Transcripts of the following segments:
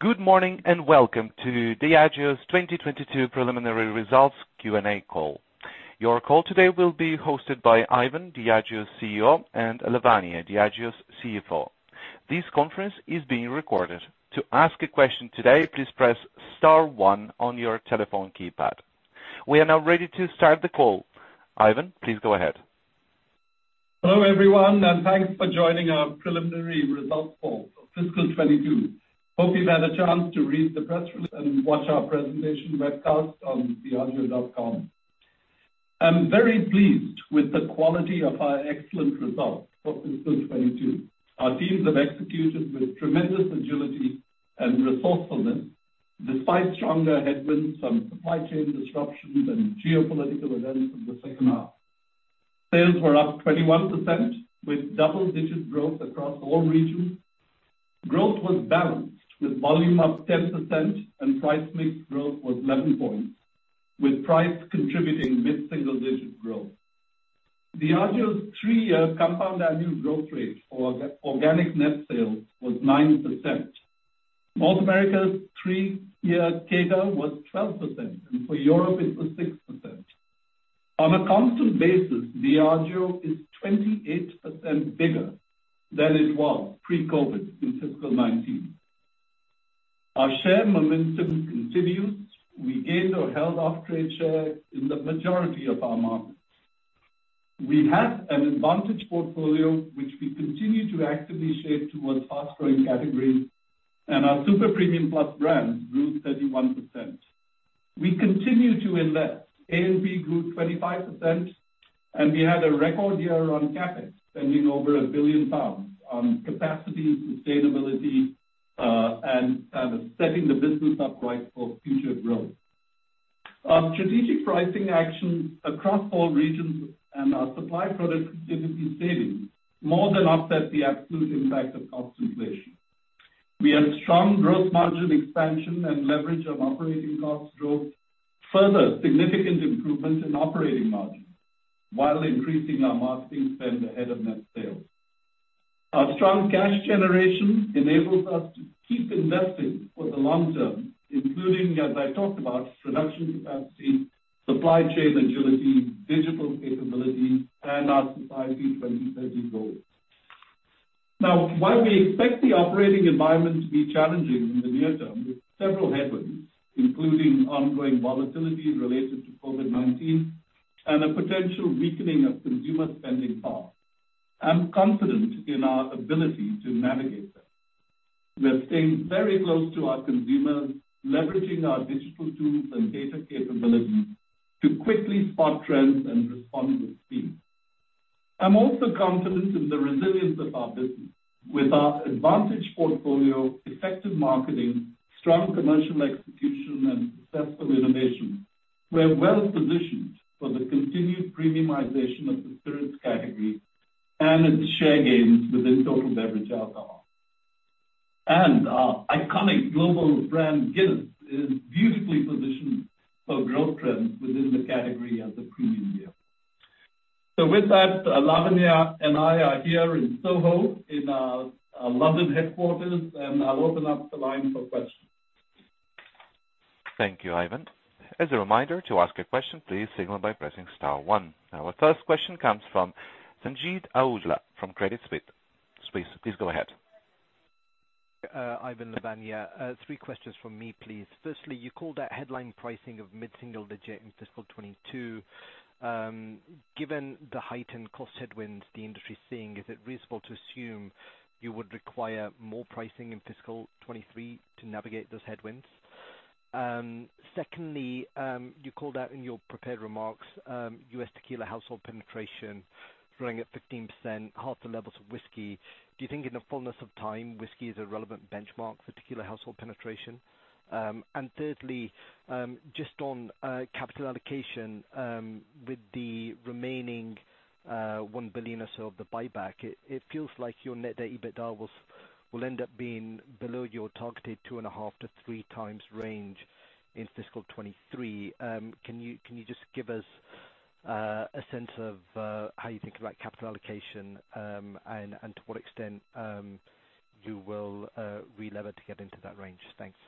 Good morning, and welcome to Diageo's 2022 preliminary results Q&A call. Your call today will be hosted by Ivan, Diageo's CEO, and Lavanya, Diageo's CFO. This conference is being recorded. To ask a question today, please press star one on your telephone keypad. We are now ready to start the call. Ivan, please go ahead. Hello, everyone, and thanks for joining our preliminary results call for fiscal 2022. Hope you've had a chance to read the press release and watch our presentation webcast on Diageo.com. I'm very pleased with the quality of our excellent results for fiscal 2022. Our teams have executed with tremendous agility and resourcefulness despite stronger headwinds from supply chain disruptions and geopolitical events in the second half. Sales were up 21% with double-digit growth across all regions. Growth was balanced with volume up 10% and price mix growth was 11 points, with price contributing mid-single digit growth. Diageo's three-year compound annual growth rate for organic net sales was 9%. North America's three-year CAGR was 12%, and for Europe it was 6%. On a constant basis, Diageo is 28% bigger than it was pre-COVID in fiscal 2019. Our share momentum continues. We gained or held off trade share in the majority of our markets. We have an advantaged portfolio, which we continue to actively shape towards fast-growing categories, and our super premium plus brands grew 31%. We continue to invest. A&P grew 25%, and we had a record year on CapEx, spending over 1 billion pounds on capacity, sustainability and setting the business up right for future growth. Our strategic pricing actions across all regions and our supply product efficiency savings more than offset the absolute impact of cost inflation. We had strong gross margin expansion and leverage of operating cost growth, further significant improvements in operating margin while increasing our marketing spend ahead of net sales. Our strong cash generation enables us to keep investing for the long term, including, as I talked about, production capacity, supply chain agility, digital capabilities, and our Society 2030 goals. Now, while we expect the operating environment to be challenging in the near term with several headwinds, including ongoing volatility related to COVID-19 and a potential weakening of consumer spending power, I'm confident in our ability to navigate this. We're staying very close to our consumers, leveraging our digital tools and data capabilities to quickly spot trends and respond with speed. I'm also confident in the resilience of our business. With our advantage portfolio, effective marketing, strong commercial execution, and successful innovation, we're well-positioned for the continued premiumization of the spirits category and its share gains within total beverage alcohol. Our iconic global brand, Guinness, is beautifully positioned for growth trends within the category as a premium beer. With that, Lavanya and I are here in Soho in our London headquarters, and I'll open up the line for questions. Thank you, Ivan. As a reminder, to ask a question, please signal by pressing star one. Our first question comes from Sanjeet Aujla from Credit Suisse. Please go ahead. Ivan, Lavanya, three questions from me, please. Firstly, you called out headline pricing of mid-single digit in fiscal 2022. Given the heightened cost headwinds the industry is seeing, is it reasonable to assume you would require more pricing in fiscal 2023 to navigate those headwinds? Secondly, you called out in your prepared remarks, U.S. tequila household penetration growing at 15%, half the levels of whiskey. Do you think in the fullness of time, whiskey is a relevant benchmark for tequila household penetration? Thirdly, just on capital allocation, with the remaining 1 billion or so of the buyback, it feels like your net debt EBITDA will end up being below your targeted 2.5-3x range in fiscal 2023. Can you just give us a sense of how you think about capital allocation, and to what extent you will relever to get into that range? Thanks.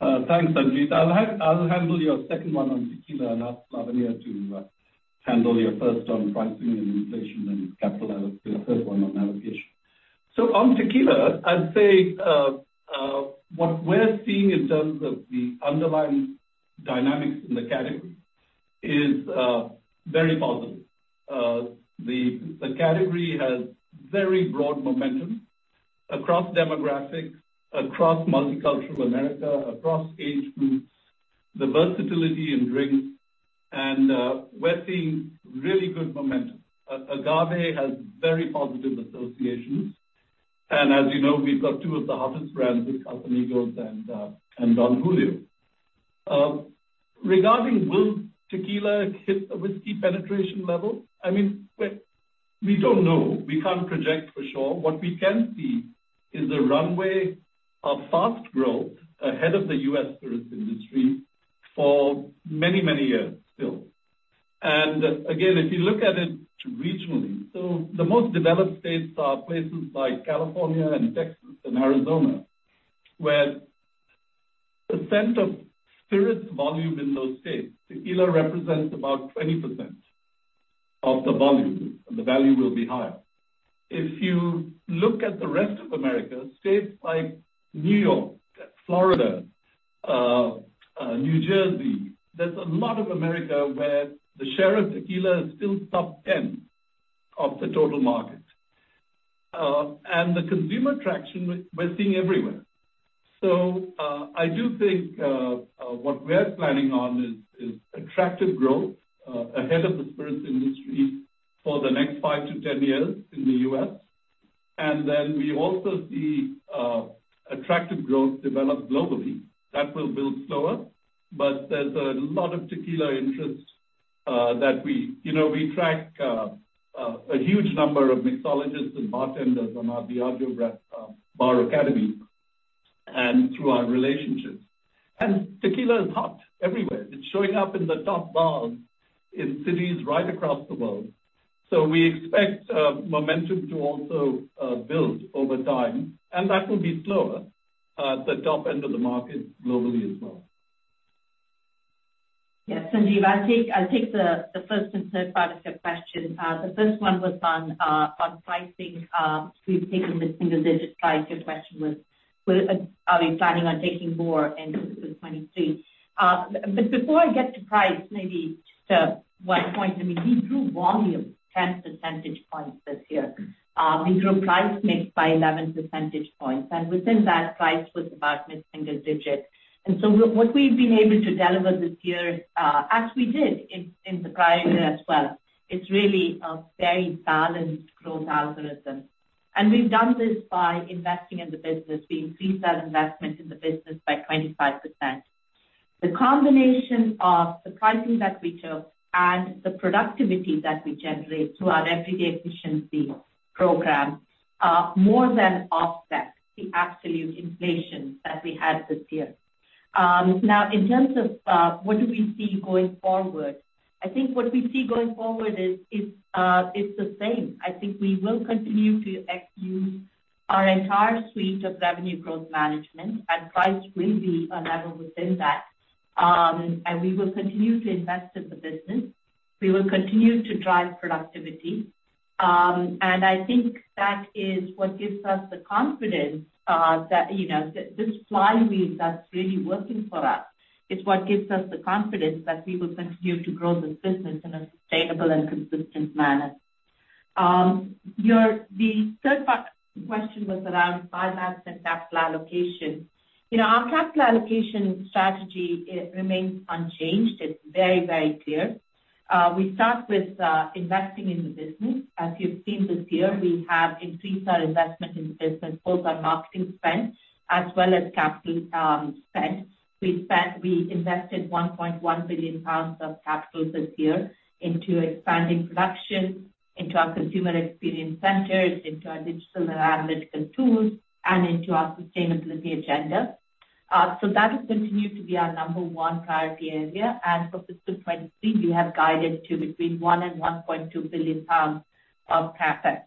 Thanks, Sanjeet. I'll handle your second one on tequila and ask Lavanya to handle your first on pricing and inflation and capital, your third one on allocation. On tequila, I'd say what we're seeing in terms of the underlying dynamics in the category is very positive. The category has very broad momentum across demographics, across multicultural America, across age groups, the versatility in drinks, and we're seeing really good momentum. Agave has very positive associations. As you know, we've got two of the hottest brands with Casamigos and Don Julio. Regarding will tequila hit the whiskey penetration level, I mean, we don't know. We can't project for sure. What we can see is a runway of fast growth ahead of the U.S. spirits industry for many, many years still. Again, if you look at it regionally, so the most developed states are places like California and Texas and Arizona, where the percent of spirits volume in those states, tequila represents about 20% of the volume, and the value will be higher. If you look at the rest of America, states like New York, Florida, New Jersey, there's a lot of America where the share of tequila is still top 10 of the total market. The consumer traction we're seeing everywhere. I do think what we're planning on is attractive growth ahead of the spirits industry for the next five-10 years in the U.S. Then we also see attractive growth developed globally. That will build slower, but there's a lot of tequila interest. You know, we track a huge number of mixologists and bartenders on our Diageo Bar Academy and through our relationships. Tequila is hot everywhere. It's showing up in the top bars in cities right across the world. We expect momentum to also build over time, and that will be slower at the top end of the market globally as well. Yes, Sanjeet, I'll take the first and third part of your question. The first one was on pricing. We've taken the single digits price. Your question was, are we planning on taking more into 2023? But before I get to price, maybe just one point. I mean, we grew volume 10 percentage points this year. We grew price mix by 11 percentage points, and within that, price was about mid-single digits. What we've been able to deliver this year, as we did in the prior year as well, it's really a very balanced growth algorithm. We've done this by investing in the business. We increased our investment in the business by 25%. The combination of the pricing that we took and the productivity that we generate through our Everyday Efficiency program more than offset the absolute inflation that we had this year. Now in terms of what we see going forward, I think what we see going forward is it's the same. I think we will continue to execute our entire suite of Revenue Growth Management, and price will be a lever within that. We will continue to invest in the business. We will continue to drive productivity. I think that is what gives us the confidence that, you know, this flywheel that's really working for us is what gives us the confidence that we will continue to grow this business in a sustainable and consistent manner. Your third question was around buybacks and capital allocation. You know, our capital allocation strategy, it remains unchanged. It's very, very clear. We start with investing in the business. As you've seen this year, we have increased our investment in the business, both our marketing spend as well as capital spend. We invested 1.1 billion pounds of capital this year into expanding production, into our consumer experience centers, into our digital and analytical tools, and into our sustainability agenda. That will continue to be our number one priority area. For fiscal 2023, we have guided to between 1 billion and 1.2 billion pounds of CapEx.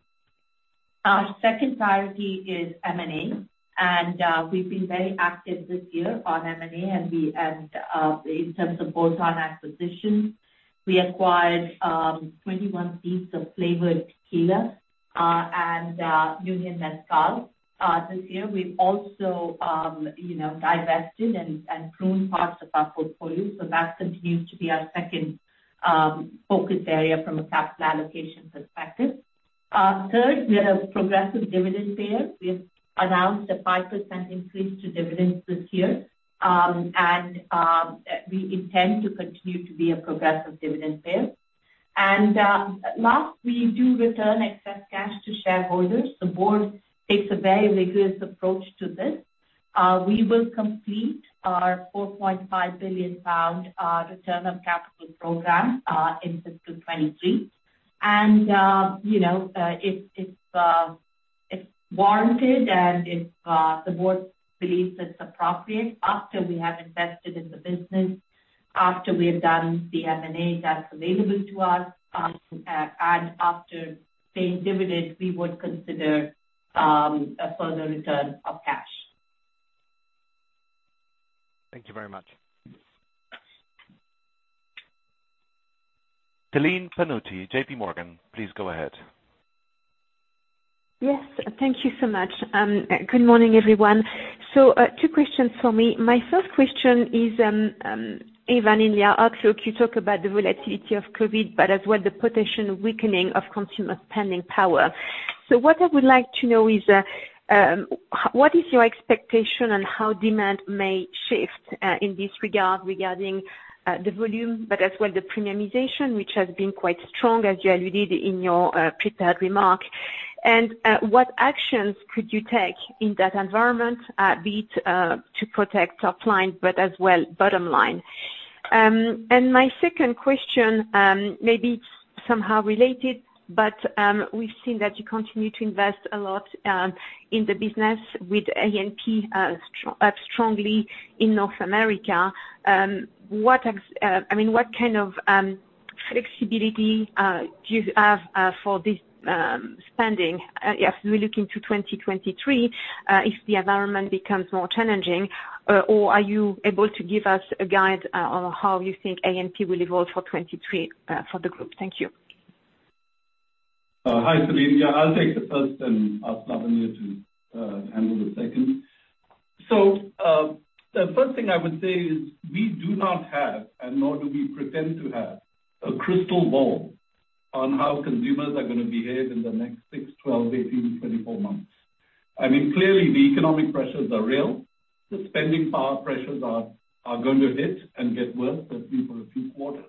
Our second priority is M&A, and we've been very active this year on M&A in terms of bolt-on acquisitions. We acquired 21Seeds, flavored tequila, and Unión Mezcal this year. We've also, you know, divested and pruned parts of our portfolio, so that continues to be our second focus area from a capital allocation perspective. Third, we are a progressive dividend payer. We've announced a 5% increase to dividends this year. We intend to continue to be a progressive dividend payer. Last, we do return excess cash to shareholders. The board takes a very rigorous approach to this. We will complete our 4.5 billion pound return of capital program in fiscal 2023. You know, if warranted and if the board believes it's appropriate after we have invested in the business, after we have done the M&A that's available to us, and after paying dividends, we would consider a further return of cash. Thank you very much. Celine Pannuti, J.P. Morgan, please go ahead. Yes, thank you so much. Good morning, everyone. Two questions for me. My first question is, Ivan, in your outlook, you talk about the volatility of COVID, but as well the potential weakening of consumer spending power. What I would like to know is, what is your expectation on how demand may shift, in this regard regarding, the volume, but as well the premiumization, which has been quite strong, as you alluded in your, prepared remark? What actions could you take in that environment, be it, to protect top line, but as well bottom line? My second question, maybe somehow related, but, we've seen that you continue to invest a lot, in the business with A&P, strongly in North America. I mean, what kind of flexibility do you have for this spending as we look into 2023, if the environment becomes more challenging, or are you able to give us a guide on how you think A&P will evolve for 2023 for the group? Thank you. Hi, Celine. Yeah, I'll take the first and ask Lavanya to handle the second. The first thing I would say is we do not have, and nor do we pretend to have, a crystal ball on how consumers are gonna behave in the next six, 12, 18, 24 months. I mean, clearly the economic pressures are real. The spending power pressures are going to hit and get worse, I think, for a few quarters.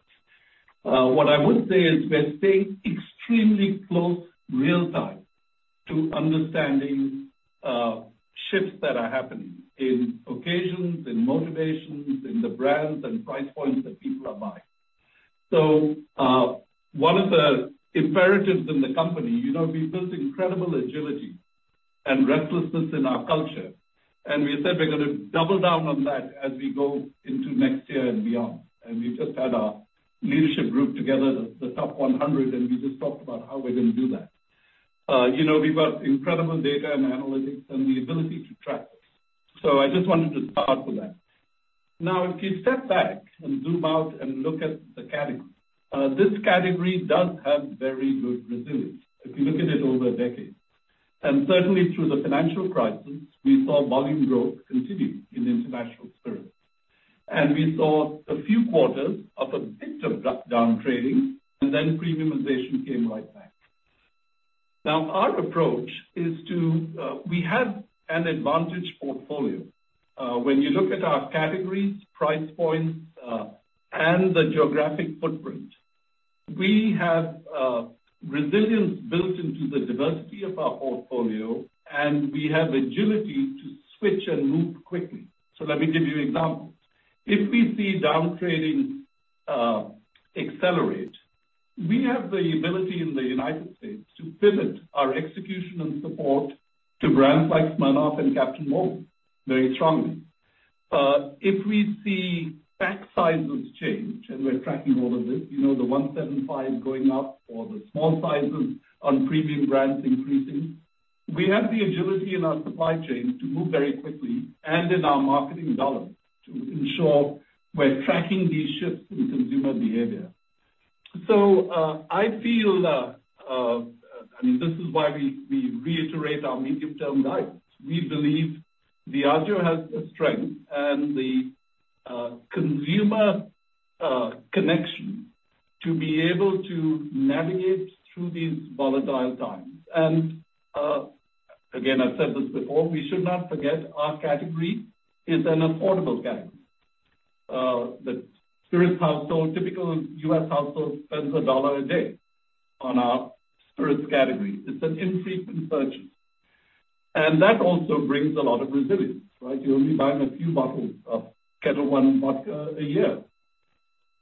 What I would say is we're staying extremely close real time to understanding shifts that are happening in occasions, in motivations, in the brands and price points that people are buying. One of the imperatives in the company, you know, we've built incredible agility and restlessness in our culture, and we said we're gonna double down on that as we go into next year and beyond. We just had our leadership group together, the top 100, and we just talked about how we're gonna do that. You know, we've got incredible data and analytics and the ability to track this. I just wanted to start with that. Now, if you step back and zoom out and look at the category, this category does have very good resilience if you look at it over a decade. Certainly through the financial crisis, we saw volume growth continue in the international spirits. We saw a few quarters of a bit of down trading, and then premiumization came right back. Now, our approach is to, we have an advantaged portfolio. When you look at our categories, price points, and the geographic footprint, we have resilience built into the diversity of our portfolio, and we have agility to switch and move quickly. Let me give you examples. If we see down trading accelerate, we have the ability in the United States to pivot our execution and support to brands like Smirnoff and Captain Morgan very strongly. If we see pack sizes change, and we're tracking all of this, you know, the 175 going up or the small sizes on premium brands increasing, we have the agility in our supply chain to move very quickly and in our marketing dollar to ensure we're tracking these shifts in consumer behavior. I feel, I mean, this is why we reiterate our medium-term guidance. We believe Diageo has the strength and the consumer connection to be able to navigate through these volatile times. Again, I've said this before, we should not forget our category is an affordable category. The spirits household, typical U.S. household spends $1 a day on our spirits category. It's an infrequent purchase. That also brings a lot of resilience, right? You're only buying a few bottles of Ketel One Vodka a year.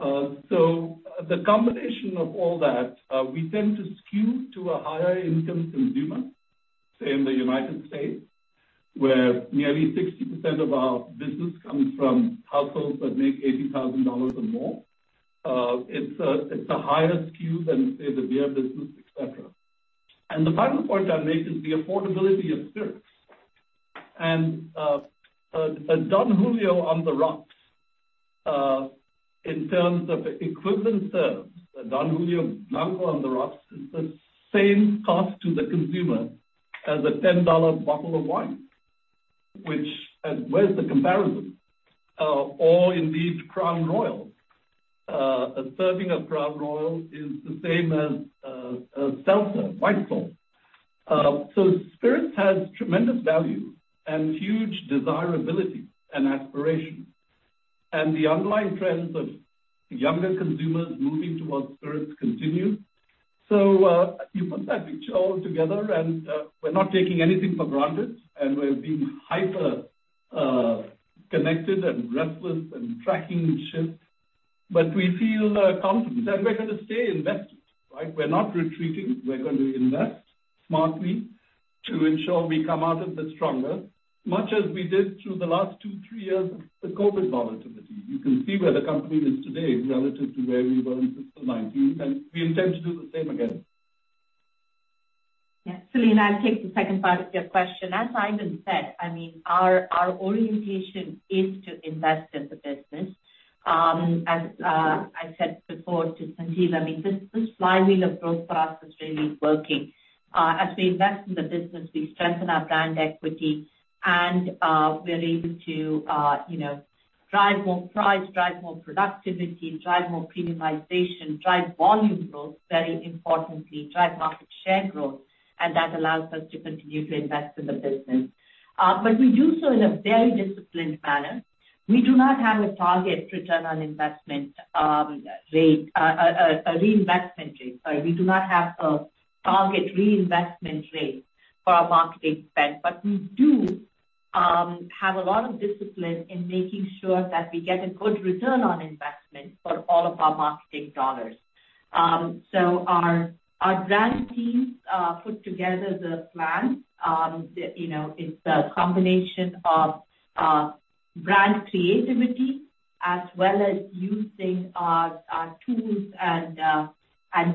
So the combination of all that, we tend to skew to a higher income consumer, say in the United States, where nearly 60% of our business comes from households that make $80,000 or more. It's a higher skew than, say, the beer business, et cetera. The final point I'll make is the affordability of spirits. A Don Julio on the rocks, in terms of equivalent serves, a Don Julio Blanco on the rocks is the same cost to the consumer as a $10 bottle of wine, which, where's the comparison? Or indeed Crown Royal. A serving of Crown Royal is the same as a seltzer, White Claw seltzer. Spirits has tremendous value and huge desirability and aspiration. The underlying trends of younger consumers moving towards spirits continue. You put that picture all together and we're not taking anything for granted, and we're being hyper connected and restless and tracking shifts, but we feel confident. We're gonna stay invested, right? We're not retreating. We're going to invest smartly to ensure we come out of this stronger, much as we did through the last two, three years of the COVID volatility. You can see where the company is today relative to where we were in 1919, and we intend to do the same again. Yeah. Celine, I'll take the second part of your question. As Ivan said, I mean, our orientation is to invest in the business. As I said before to Sanjeet, I mean, this flywheel of growth for us is really working. As we invest in the business, we strengthen our brand equity and we're able to you know, drive more price, drive more productivity, drive more premiumization, drive volume growth, very importantly, drive market share growth, and that allows us to continue to invest in the business. But we do so in a very disciplined manner. We do not have a target return on investment rate, a reinvestment rate. We do not have a target reinvestment rate for our marketing spend, but we have a lot of discipline in making sure that we get a good return on investment for all of our marketing dollars. Our brand teams put together the plan. You know, it's a combination of brand creativity as well as using our tools and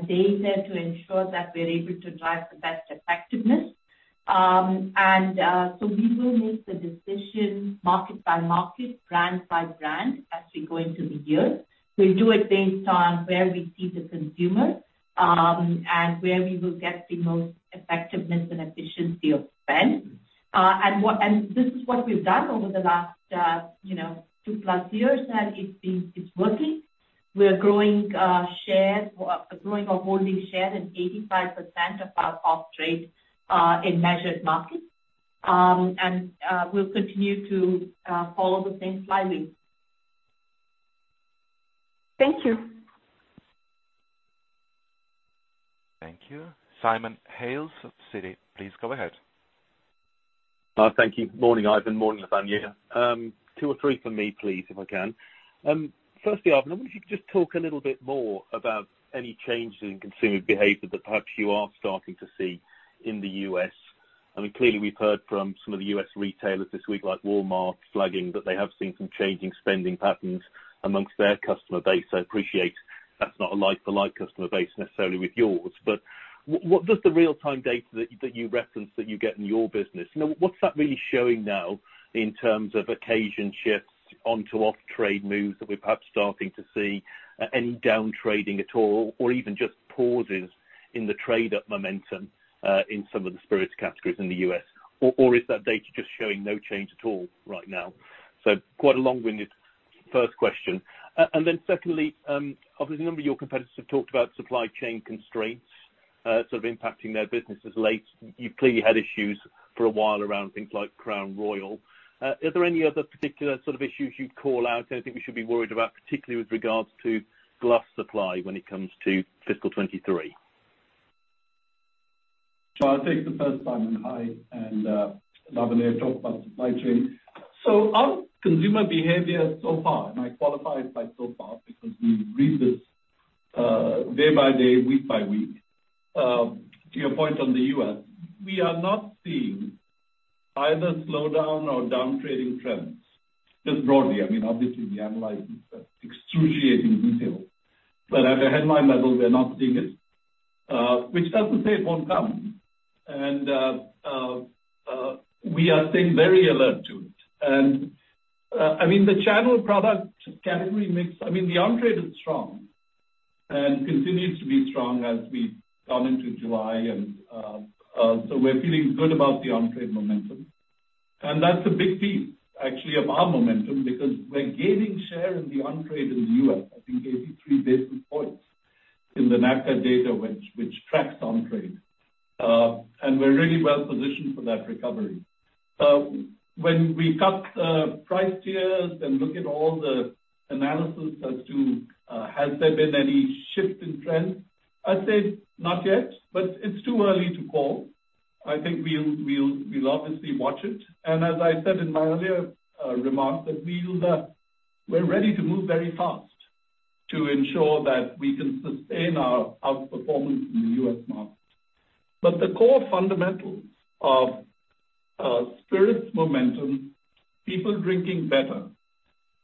data to ensure that we're able to drive the best effectiveness. We will make the decision market by market, brand by brand as we go into the year. We'll do it based on where we see the consumer and where we will get the most effectiveness and efficiency of spend. This is what we've done over the last, you know, two-plus years, and it's working. We're growing our volume share in 85% of our off-trade in measured markets. We'll continue to follow the same strategy. Thank you. Thank you. Simon Hales of Citi, please go ahead. Thank you. Morning, Ivan. Morning, Lavanya. Two or three from me, please, if I can. Firstly, Ivan, I wonder if you could just talk a little bit more about any changes in consumer behavior that perhaps you are starting to see in the U.S. I mean, clearly we've heard from some of the U.S. retailers this week, like Walmart, flagging that they have seen some changing spending patterns among their customer base. I appreciate that's not a like-for-like customer base necessarily with yours. What does the real-time data that you referenced that you get in your business, you know, what's that really showing now in terms of occasion shifts onto off-trade moves that we're perhaps starting to see any down trading at all, or even just pauses in the trade up momentum in some of the spirits categories in the U.S.? Is that data just showing no change at all right now? Quite a long-winded first question. Secondly, obviously a number of your competitors have talked about supply chain constraints, sort of impacting their businesses lately. You clearly had issues for a while around things like Crown Royal. Are there any other particular sort of issues you'd call out? Anything we should be worried about, particularly with regards to glass supply when it comes to fiscal 2023? I'll take the first one. Hi, Lavanya talked about supply chain. Our consumer behavior so far, and I qualify it by so far because we read this day by day, week by week, to your point on the U.S., we are not seeing either slowdown or down trading trends. Just broadly, I mean, obviously we analyze this at excruciating detail. At a headline level, we're not seeing it, which doesn't say it won't come. We are staying very alert to it. I mean, the channel product category mix, I mean, the on-trade is strong and continues to be strong as we come into July, so we're feeling good about the on-trade momentum. That's a big piece actually of our momentum because we're gaining share in the on-trade in the U.S., I think 83 basis points in the NABCA data which tracks on-trade. We're really well positioned for that recovery. When we cut price tiers and look at all the analysis as to has there been any shift in trends, I'd say not yet, but it's too early to call. I think we'll obviously watch it. As I said in my earlier remarks, we're ready to move very fast to ensure that we can sustain our outperformance in the U.S. market. The core fundamentals of spirits momentum, people drinking better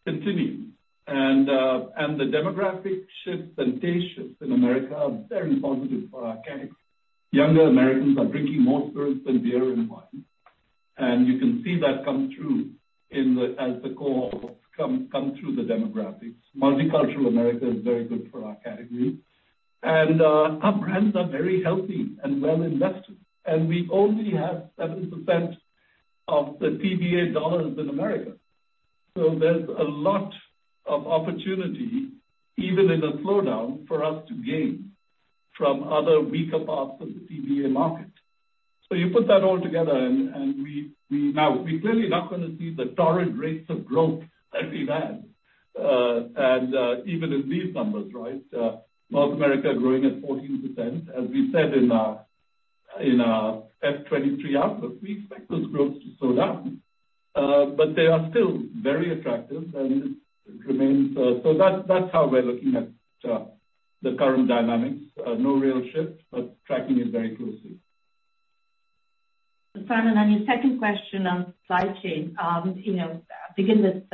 continue. The demographic shifts and taste shifts in America are very positive for our category. Younger Americans are drinking more spirits than beer and wine. You can see that come through as the cohort comes through the demographics. Multicultural America is very good for our category. Our brands are very healthy and well invested, and we only have 7% of the TBA dollars in America. There's a lot of opportunity, even in a slowdown, for us to gain from other weaker parts of the TBA market. You put that all together. Now, we're clearly not gonna see the torrid rates of growth that we've had, even in these numbers, right? North America growing at 14%. As we said in FY 2023 outlook, we expect those growths to slow down, but they are still very attractive and it remains. That's how we're looking at the current dynamics. No real shift, but tracking it very closely. Simon, on your second question on supply chain, you know, begin with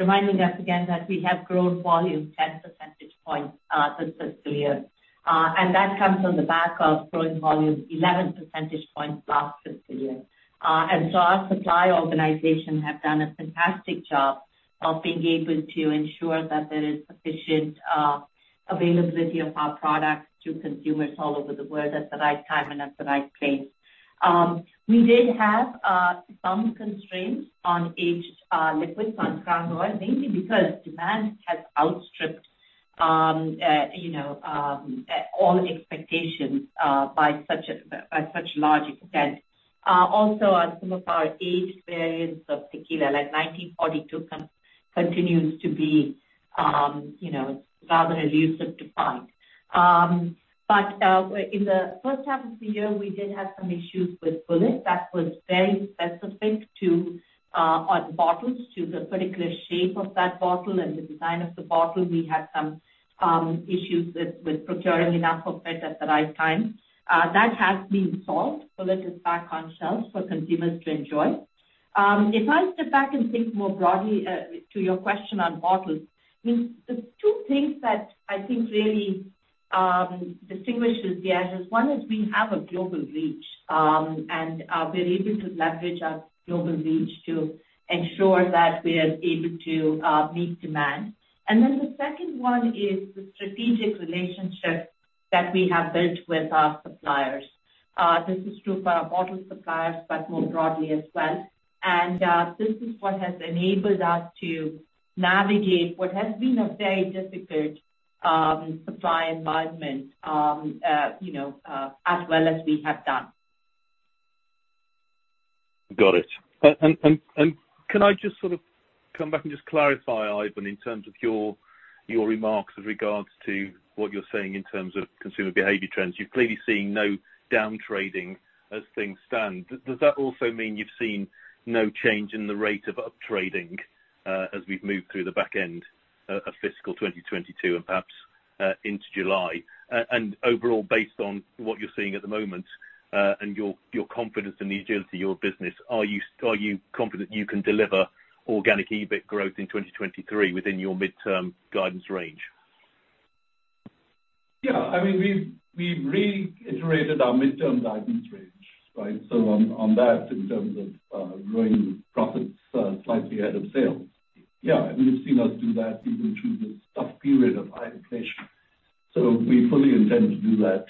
reminding us again that we have grown volume 10 percentage points this fiscal year. That comes on the back of growing volume 11 percentage points last fiscal year. Our supply organization have done a fantastic job of being able to ensure that there is sufficient availability of our products to consumers all over the world at the right time and at the right place. We did have some constraints on aged liquids, on Crown Royal, mainly because demand has outstripped all expectations by such a large extent. Also on some of our aged variants of tequila, like Don Julio 1942, continues to be rather elusive to find. In the first half of the year, we did have some issues with Bulleit that was very specific to our bottles, to the particular shape of that bottle and the design of the bottle. We had some issues with procuring enough of it at the right time. That has been solved. Bulleit is back on shelves for consumers to enjoy. If I step back and think more broadly to your question on bottles, I mean, the two things that I think really distinguishes Diageo is, one is we have a global reach, and we're able to leverage our global reach to ensure that we're able to meet demand. The second one is the strategic relationship that we have built with our suppliers. This is true for our bottle suppliers, but more broadly as well. This is what has enabled us to navigate what has been a very difficult supply environment, you know, as well as we have done. Got it. And can I just sort of come back and just clarify, Ivan, in terms of your remarks with regards to what you're saying in terms of consumer behavior trends? You're clearly seeing no down trading as things stand. Does that also mean you've seen no change in the rate of up trading, as we've moved through the back end of fiscal 2022 and perhaps into July? Overall, based on what you're seeing at the moment, and your confidence in the agility of your business, are you confident you can deliver organic EBIT growth in 2023 within your midterm guidance range? Yeah. I mean, we've reiterated our midterm guidance range, right? On that, in terms of growing profits slightly ahead of sales. Yeah, I mean, you've seen us do that even through this tough period of high inflation. We fully intend to do that.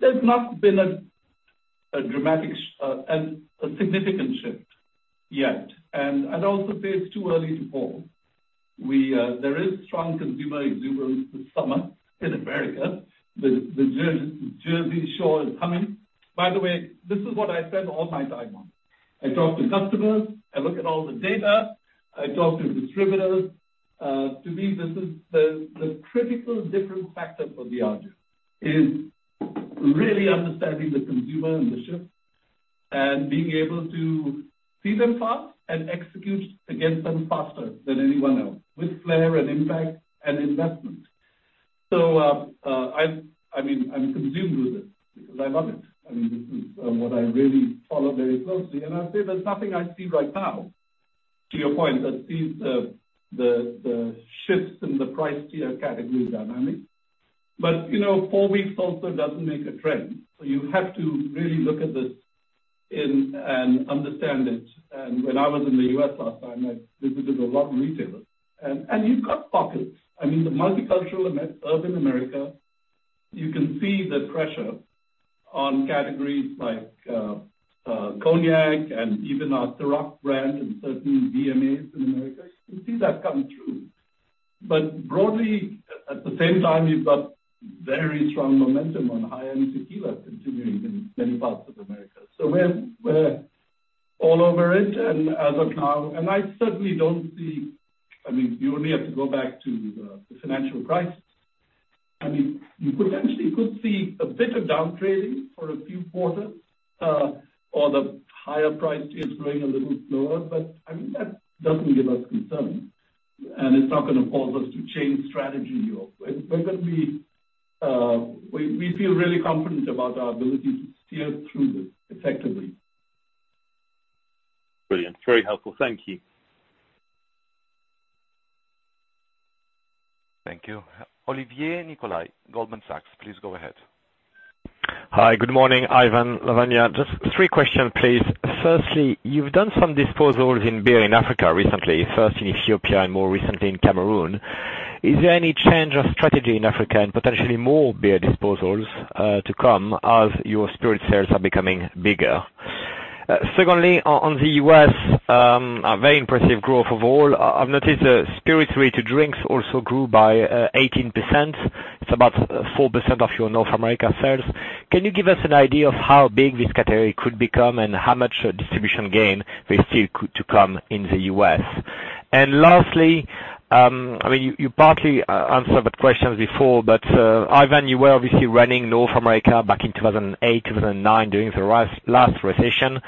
There's not been a significant shift yet. Also, say it's too early to call. There is strong consumer exuberance this summer in America. The Jersey Shore is coming. By the way, this is what I spend all my time on. I talk to customers, I look at all the data, I talk to distributors. To me, this is the critical differentiating factor for Diageo, is really understanding the consumer and the shifts, and being able to see them fast and execute against them faster than anyone else with flair and impact and investment. I mean, I'm consumed with it because I love it. I mean, this is what I really follow very closely. I'd say there's nothing I see right now, to your point, that sees the shifts in the price tier category dynamic. You know, four weeks also doesn't make a trend. You have to really look at this in and understand it. When I was in the U.S. last time, I visited a lot of retailers. You've got pockets. I mean, the multicultural urban America, you can see the pressure on categories like cognac and even our Cîroc brand in certain DMAs in America. You can see that coming through. Broadly, at the same time, you've got very strong momentum on high-end tequila continuing in many parts of America. We're all over it. As of now, I certainly don't see. I mean, you only have to go back to the financial crisis. You potentially could see a bit of down trading for a few quarters or the higher price tiers growing a little slower. That doesn't give us concern, and it's not gonna cause us to change strategy, Yves. We feel really confident about our ability to steer through this effectively. Brilliant. Very helpful. Thank you. Thank you. Olivier Nicolaï, Goldman Sachs, please go ahead. Hi. Good morning, Ivan, Lavanya. Just three questions, please. Firstly, you've done some disposals in beer in Africa recently, first in Ethiopia and more recently in Cameroon. Is there any change of strategy in Africa and potentially more beer disposals to come as your spirit sales are becoming bigger? Secondly, on the U.S., a very impressive growth overall. I've noticed, spirit-related drinks also grew by 18%. It's about 4% of your North America sales. Can you give us an idea of how big this category could become and how much distribution gain there is still to come in the U.S.? Lastly, I mean, you partly answered that question before, but, Ivan, you were obviously running North America back in 2008, 2009 during the last recession.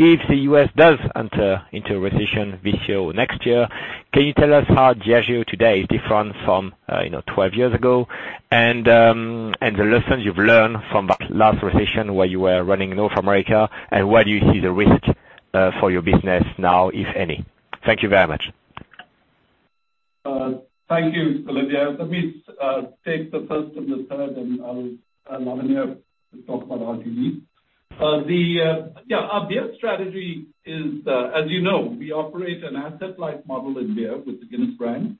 If the U.S. does enter into a recession this year or next year, can you tell us how Diageo today is different from, you know, 12 years ago? The lessons you've learned from that last recession where you were running North America, and where do you see the risk for your business now, if any? Thank you very much. Thank you, Olivier. Let me take the first and the third, and Lavanya will talk about RGM. Yeah, our beer strategy is, as you know, we operate an asset-light model in beer with the Guinness brand.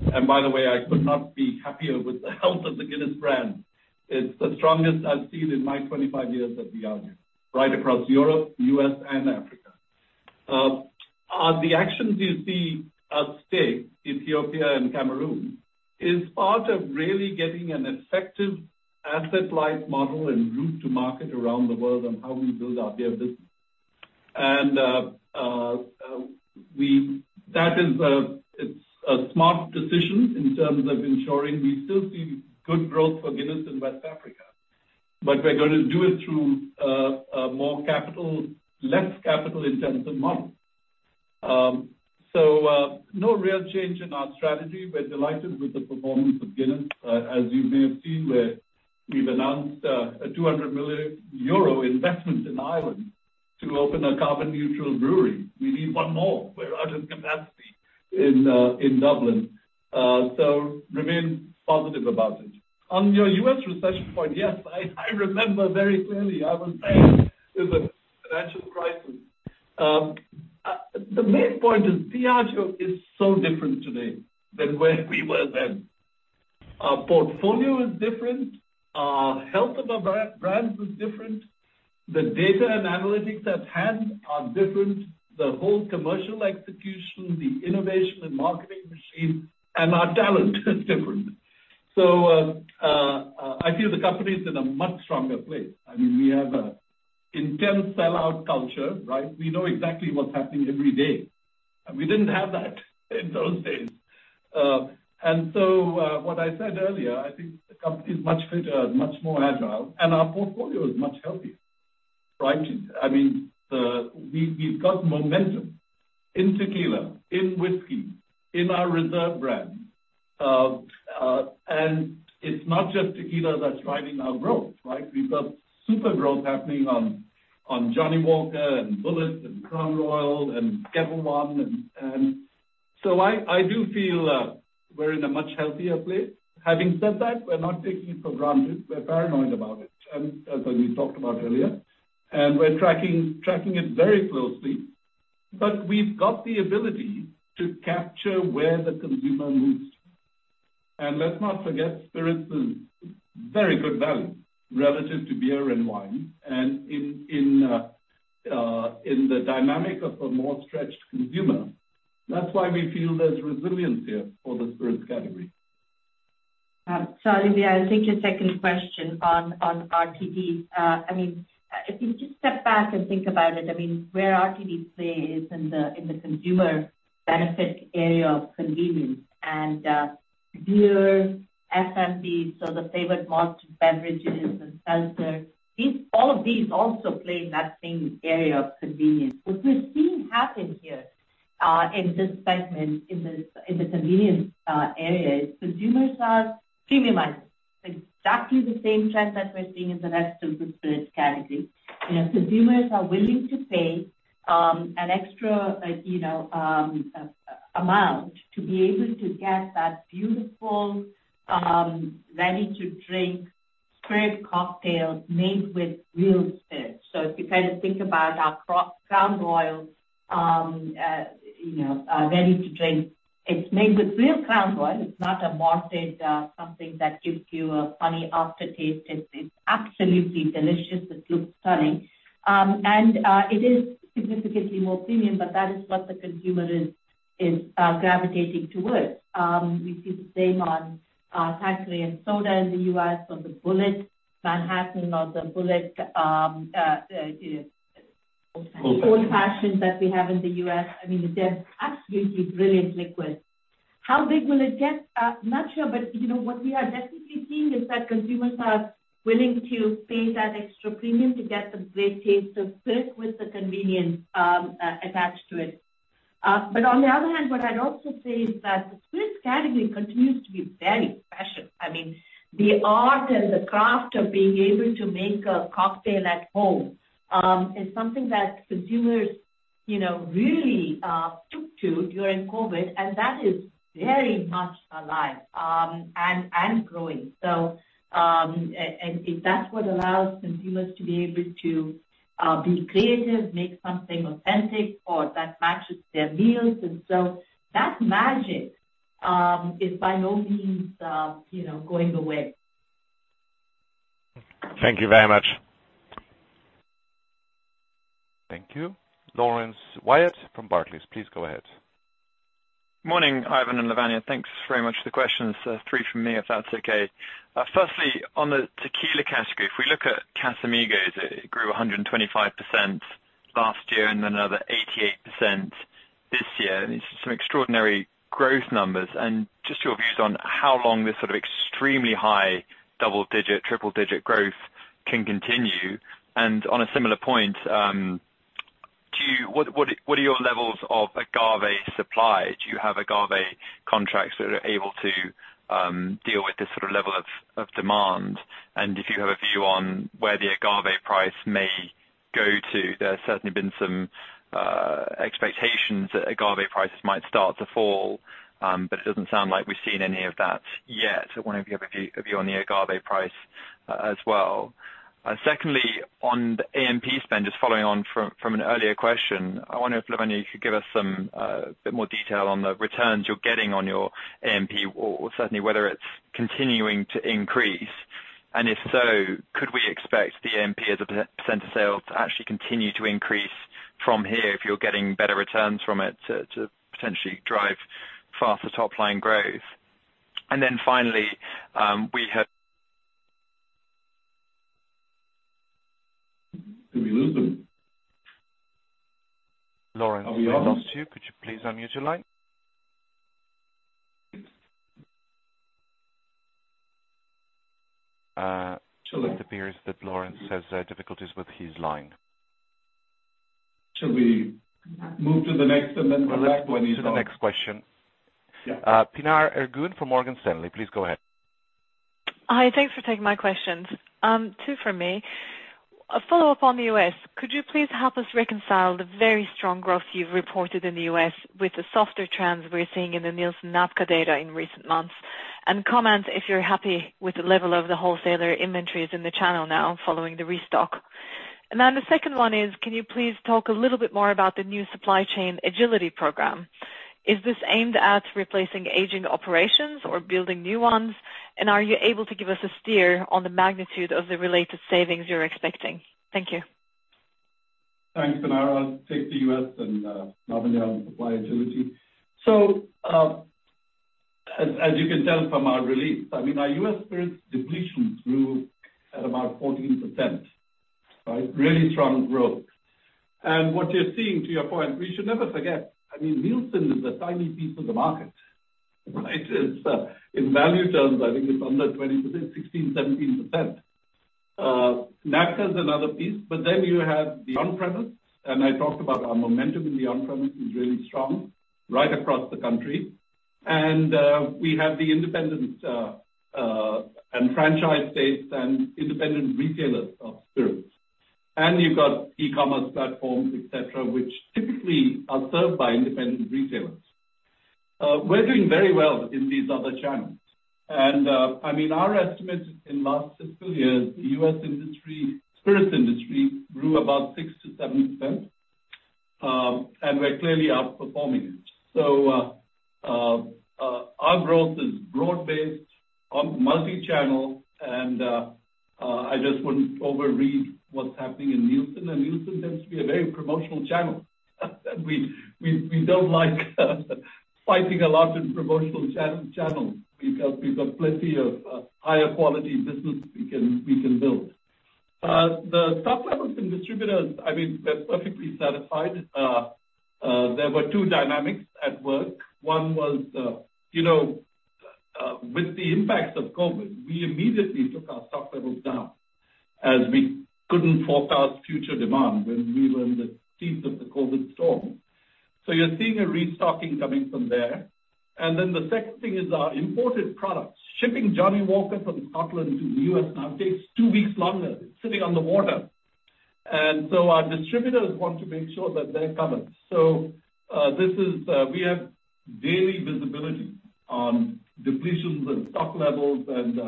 By the way, I could not be happier with the health of the Guinness brand. It's the strongest I've seen in my 25 years at Diageo, right across Europe, U.S., and Africa. The actions you see in the U.S., Ethiopia and Cameroon is part of really getting an effective asset-light model and route to market around the world on how we build our beer business. That is, it's a smart decision in terms of ensuring we still see good growth for Guinness in West Africa. We're gonna do it through less capital intensive model. No real change in our strategy. We're delighted with the performance of Guinness. As you may have seen, we've announced a 200 million euro investment in Ireland to open a carbon neutral brewery. We need one more. We're out of capacity in Dublin. Remain positive about it. On your U.S. recession point, yes, I remember very clearly. I was there. It was a financial crisis. The main point is Diageo is so different today than where we were then. Our portfolio is different. Our health of our brands is different. The data and analytics at hand are different. The whole commercial execution, the innovation and marketing machine, and our talent is different. I feel the company is in a much stronger place. I mean, we have a intense sellout culture, right? We know exactly what's happening every day. We didn't have that in those days. What I said earlier, I think the company is much fitter and much more agile, and our portfolio is much healthier, right? I mean, we've got momentum in tequila, in whiskey, in our reserve brands. It's not just tequila that's driving our growth, right? We've got super growth happening on Johnnie Walker and Bulleit and Crown Royal and Ketel One. I do feel we're in a much healthier place. Having said that, we're not taking it for granted. We're paranoid about it, and as we talked about earlier. We're tracking it very closely. We've got the ability to capture where the consumer moves to. Let's not forget, spirits is very good value relative to beer and wine and in the dynamic of a more stretched consumer. That's why we feel there's resilience here for the spirits category. Olivier, I'll take your second question on RTD. I mean, if you just step back and think about it, I mean, where RTD plays in the consumer benefit area of convenience, and beer, FMB, so the flavored malt beverages and seltzer, these, all of these also play in that same area of convenience. What we're seeing happen here in this segment in the convenience area is consumers are premiumizing. Exactly the same trend that we're seeing in the rest of the spirits category. You know, consumers are willing to pay an extra you know amount to be able to get that beautiful ready-to-drink spirit cocktail made with real spirits. If you kind of think about our Crown Royal you know ready-to-drink, it's made with real Crown Royal. It's not a malted, something that gives you a funny aftertaste. It's absolutely delicious. It looks stunning. It is significantly more premium, but that is what the consumer is gravitating towards. We see the same on Tanqueray and Soda in the U.S. or the Bulleit Manhattan or the Bulleit. Old Fashioned. Old Fashioned that we have in the U.S. I mean, they're absolutely brilliant liquids. How big will it get? Not sure, but you know, what we are definitely seeing is that consumers are willing to pay that extra premium to get the great taste of spirit with the convenience attached to it. But on the other hand, what I'd also say is that the spirits category continues to be very passionate. I mean, the art and the craft of being able to make a cocktail at home is something that consumers, you know, really took to during COVID, and that is very much alive and growing. if that's what allows consumers to be able to be creative, make something authentic or that matches their meals, and so that magic is by no means, you know, going away. Thank you very much. Thank you. Laurence Whyatt from Barclays, please go ahead. Morning, Ivan and Lavanya. Thanks very much for the questions. Three from me, if that's okay. Firstly, on the tequila category, if we look at Casamigos, it grew 125% last year and another 88% this year. These are some extraordinary growth numbers. Just your views on how long this sort of extremely high double digit, triple digit growth can continue. On a similar point, what are your levels of agave supply? Do you have agave contracts that are able to deal with this sort of level of demand? If you have a view on where the agave price may go to. There's certainly been some expectations that agave prices might start to fall, but it doesn't sound like we've seen any of that yet. I wonder if you have a view on the agave price as well. Secondly, on the A&P spend, just following on from an earlier question. I wonder if, Lavanya, you could give us some bit more detail on the returns you're getting on your A&P or certainly whether it's continuing to increase. If so, could we expect the A&P as a % of sales to actually continue to increase from here if you're getting better returns from it to potentially drive faster top line growth? Finally, we have Did we lose him? Laurence, we lost you. Could you please unmute your line? It appears that Laurence has difficulties with his line. Should we move to the next and then come back when he's on? Let's move to the next question. Yeah. Pinar Ergun from Morgan Stanley, please go ahead. Hi. Thanks for taking my questions. Two from me. A follow-up on the U.S., could you please help us reconcile the very strong growth you've reported in the U.S. with the softer trends we're seeing in the Nielsen/NABCA data in recent months? Comment if you're happy with the level of the wholesaler inventories in the channel now following the restock. The second one is, can you please talk a little bit more about the new supply chain agility program? Is this aimed at replacing aging operations or building new ones? Are you able to give us a steer on the magnitude of the related savings you're expecting? Thank you. Thanks, Pinar. I'll take the U.S. and, Lavanya will take supply chain agility. You can tell from our release, I mean, our U.S. spirits depletion grew at about 14%, right? Really strong growth. What you're seeing, to your point, we should never forget, I mean, Nielsen is a tiny piece of the market, right? It's in value terms, I think it's under 20%, 16%, 17%. NABCA's another piece, but then you have the on-premise, and I talked about our momentum in the on-premise is really strong right across the country. We have the independent and franchise states and independent retailers of spirits. You've got e-commerce platforms, et cetera, which typically are served by independent retailers. We're doing very well in these other channels. I mean, our estimate in last fiscal year, the U.S. industry, spirits industry grew about 6%-7%, and we're clearly outperforming it. Our growth is broad-based, on multi-channel, and I just wouldn't overread what's happening in Nielsen. Nielsen tends to be a very promotional channel. We don't like fighting a lot in promotional channels because we've got plenty of higher quality business we can build. The stock levels in distributors, I mean, they're perfectly satisfied. There were two dynamics at work. One was, you know, with the impacts of COVID, we immediately took our stock levels down as we couldn't forecast future demand when we were in the teeth of the COVID storm. You're seeing a restocking coming from there. Then the second thing is our imported products. Shipping Johnnie Walker from Scotland to the U.S. now takes two weeks longer. It's sitting on the water. Our distributors want to make sure that they're covered. We have daily visibility on depletions and stock levels and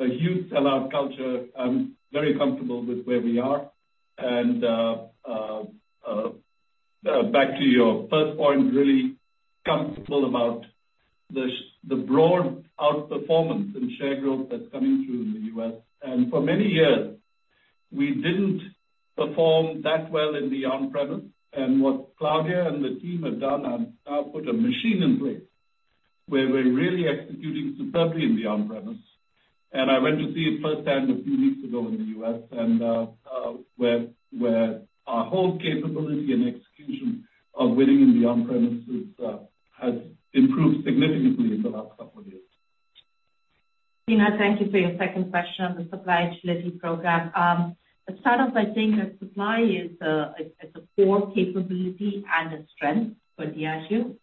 a huge sellout culture. I'm very comfortable with where we are. Back to your first point, really comfortable about this, the broad outperformance in share growth that's coming through in the U.S. For many years, we didn't perform that well in the on-premise. What Claudia and the team have done have now put a machine in place where we're really executing superbly in the on-premise. I went to see it firsthand a few weeks ago in the U.S. and where our whole capability and execution of winning in the on-premise has improved significantly over the last couple of years. Pinar, thank you for your second question on the supply agility program. To start off, I think that supply is a core capability and a strength for Diageo.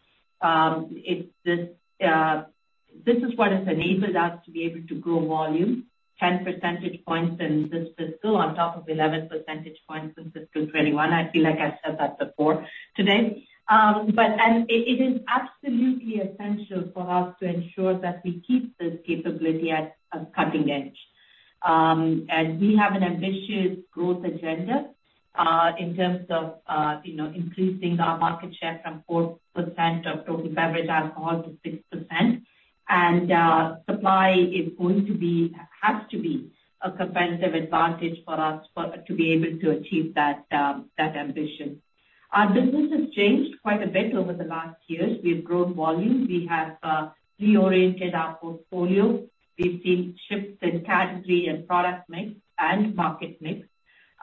It's this is what has enabled us to be able to grow volume 10 percentage points in this fiscal on top of 11 percentage points in fiscal 2021. I feel like I've said that before today. It is absolutely essential for us to ensure that we keep this capability at a cutting edge. We have an ambitious growth agenda in terms of you know increasing our market share from 4% of total beverage alcohol to 6%. Supply has to be a competitive advantage for us to be able to achieve that ambition. Our business has changed quite a bit over the last years. We've grown volume. We have reoriented our portfolio. We've seen shifts in category and product mix and market mix.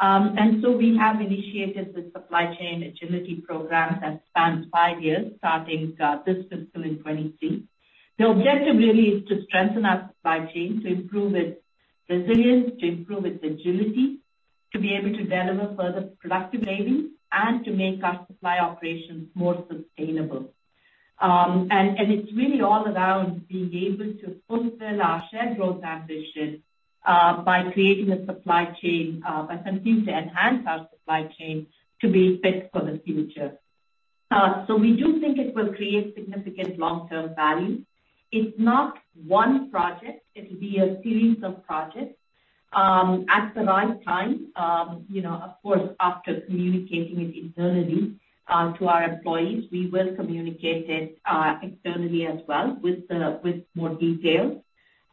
We have initiated the supply chain agility program that spans five years, starting this fiscal in 2023. The objective really is to strengthen our supply chain, to improve its resilience, to improve its agility, to be able to deliver further productive savings, and to make our supply operations more sustainable. It's really all around being able to fulfill our share growth ambition, by creating a supply chain, by continuing to enhance our supply chain to be fit for the future. We do think it will create significant long-term value. It's not one project. It will be a series of projects. At the right time, you know, of course, after communicating it internally to our employees, we will communicate it externally as well with more detail.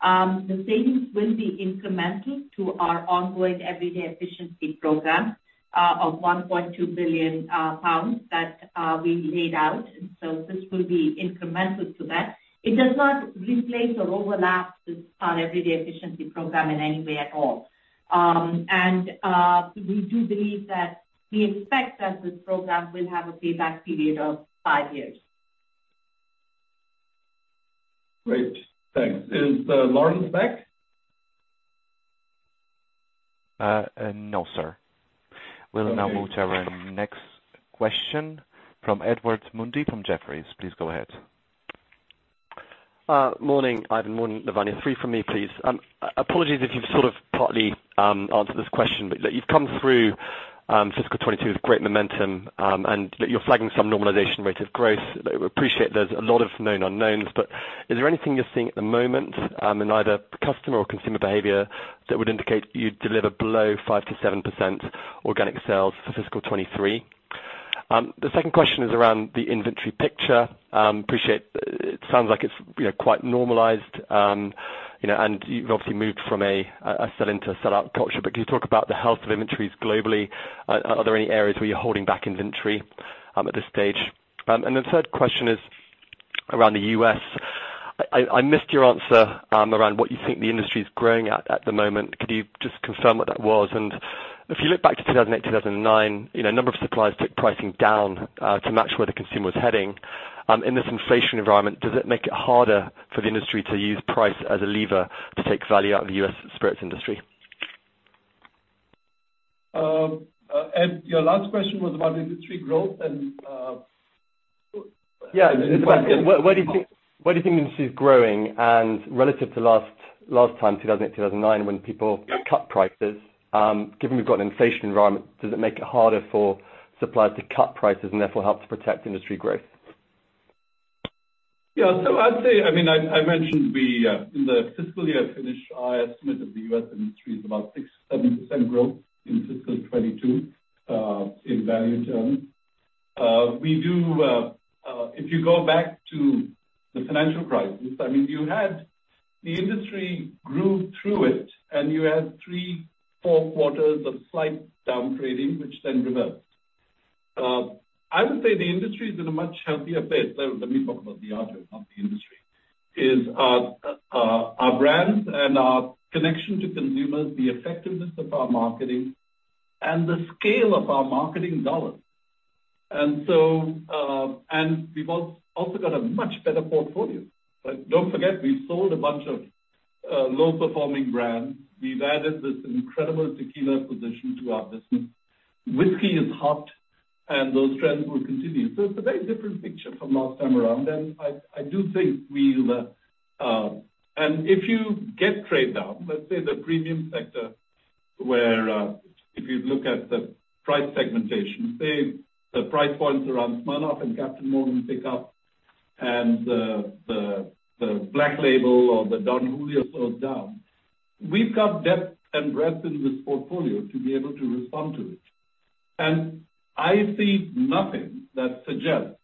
The savings will be incremental to our ongoing Everyday Efficiency program of 1.2 billion pounds that we laid out. This will be incremental to that. It does not replace or overlap with our Everyday Efficiency program in any way at all. We do believe that we expect that this program will have a payback period of five years. Great. Thanks. Is Laurence back? No, sir. We'll now move to our next question from Edward Mundy from Jefferies. Please go ahead. Morning, Ivan. Morning, Lavanya. Three from me, please. Apologies if you've sort of partly answered this question, but look, you've come through fiscal 2022 with great momentum, and you're flagging some normalization rate of growth. We appreciate there's a lot of known unknowns, but is there anything you're seeing at the moment in either customer or consumer behavior that would indicate you'd deliver below 5%-7% organic sales for fiscal 2023? The second question is around the inventory picture. Appreciate it sounds like it's you know quite normalized. You know, and you've obviously moved from a sell-in to a sell-out culture. Can you talk about the health of inventories globally? Are there any areas where you're holding back inventory at this stage? The third question is around the U.S.. I missed your answer around what you think the industry is growing at the moment. Could you just confirm what that was? If you look back to 2008, 2009, you know, a number of suppliers took pricing down to match where the consumer was heading. In this inflation environment, does it make it harder for the industry to use price as a lever to take value out of the U.S. spirits industry? Edward, your last question was about industry growth and. Yeah. Where do you think the industry is growing? Relative to last time, 2008, 2009, when people cut prices, given we've got an inflation environment, does it make it harder for suppliers to cut prices and therefore help to protect industry growth? Yeah. I'd say, I mean, I mentioned in the fiscal year finish, our estimate of the U.S. industry is about 6%-7% growth in fiscal 2022 in value terms. If you go back to the financial crisis, I mean, you had the industry grew through it, and you had three, four quarters of slight down trading, which then reversed. I would say the industry is in a much healthier place. Let me talk about Diageo, not the industry, is our brands and our connection to consumers, the effectiveness of our marketing and the scale of our marketing dollars. We've also got a much better portfolio. Like, don't forget, we sold a bunch of low performing brands. We've added this incredible tequila position to our business. Whiskey is hot, and those trends will continue. It's a very different picture from last time around. I do think we'll if you get trade down, let's say the premium sector, where if you look at the price segmentation, say the price points around Smirnoff and Captain Morgan pick up and the Black Label or the Don Julio slows down, we've got depth and breadth in this portfolio to be able to respond to it. I see nothing that suggests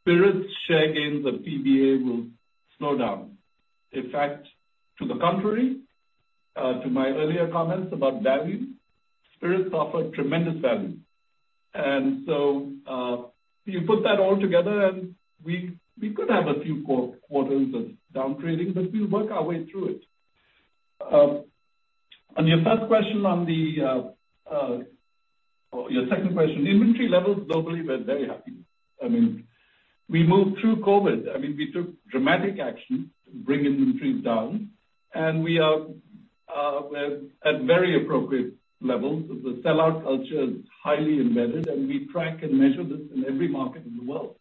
spirits share gains of PBA will slow down. In fact, to the contrary, to my earlier comments about value, spirits offer tremendous value. You put that all together, and we could have a few, four quarters of down trading, but we'll work our way through it. Your second question, inventory levels globally, we're very happy. I mean, we moved through COVID-19. I mean, we took dramatic action to bring inventories down, and we are, we're at very appropriate levels. The sellout culture is highly embedded, and we track and measure this in every market in the world.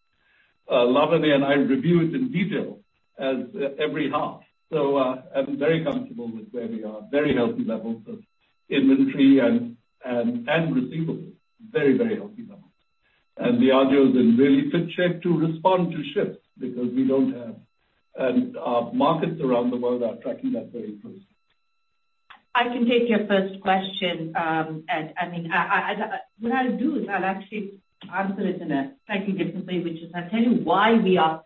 Lavanya and I review it in detail as every half. I'm very comfortable with where we are. Very healthy levels of inventory and receivables, very, very healthy levels. Diageo's in really good shape to respond to shifts. Markets around the world are tracking that very closely. I can take your first question. Ed, I mean, I what I'll do is I'll actually answer it in a slightly different way, which is I'll tell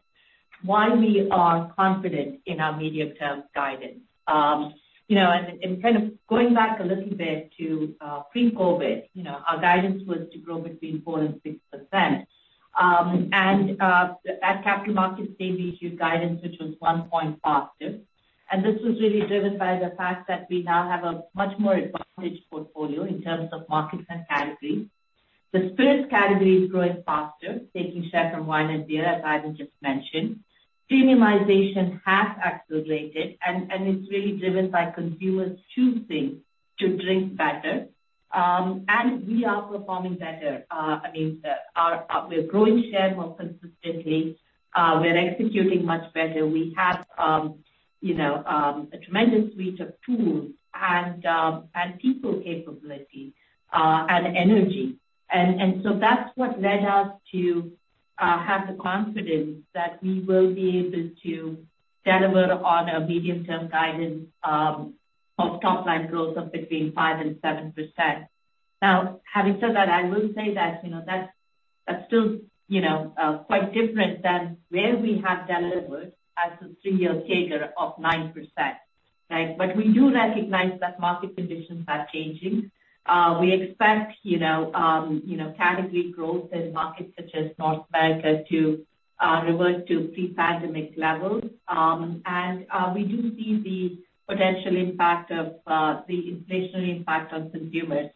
you why we are confident in our medium-term guidance. You know, and kind of going back a little bit to pre-COVID, you know, our guidance was to grow between 4% and 6%. At Capital Markets Day, we issued guidance which was 1 point faster. This was really driven by the fact that we now have a much more advantaged portfolio in terms of markets and categories. The spirits category is growing faster, taking share from wine and beer, as Ivan just mentioned. Premiumization has accelerated, and it's really driven by consumers choosing to drink better. We are performing better. I mean, we're growing share more consistently. We're executing much better. We have, you know, a tremendous suite of tools and people capability and energy. So that's what led us to have the confidence that we will be able to deliver on our medium-term guidance of top line growth of between 5% and 7%. Now, having said that, I will say that, you know, that's still, you know, quite different than where we have delivered as a three-year CAGR of 9%, right? We do recognize that market conditions are changing. We expect, you know, you know, category growth in markets such as North America to revert to pre-pandemic levels. We do see the potential impact of the inflationary impact on consumers.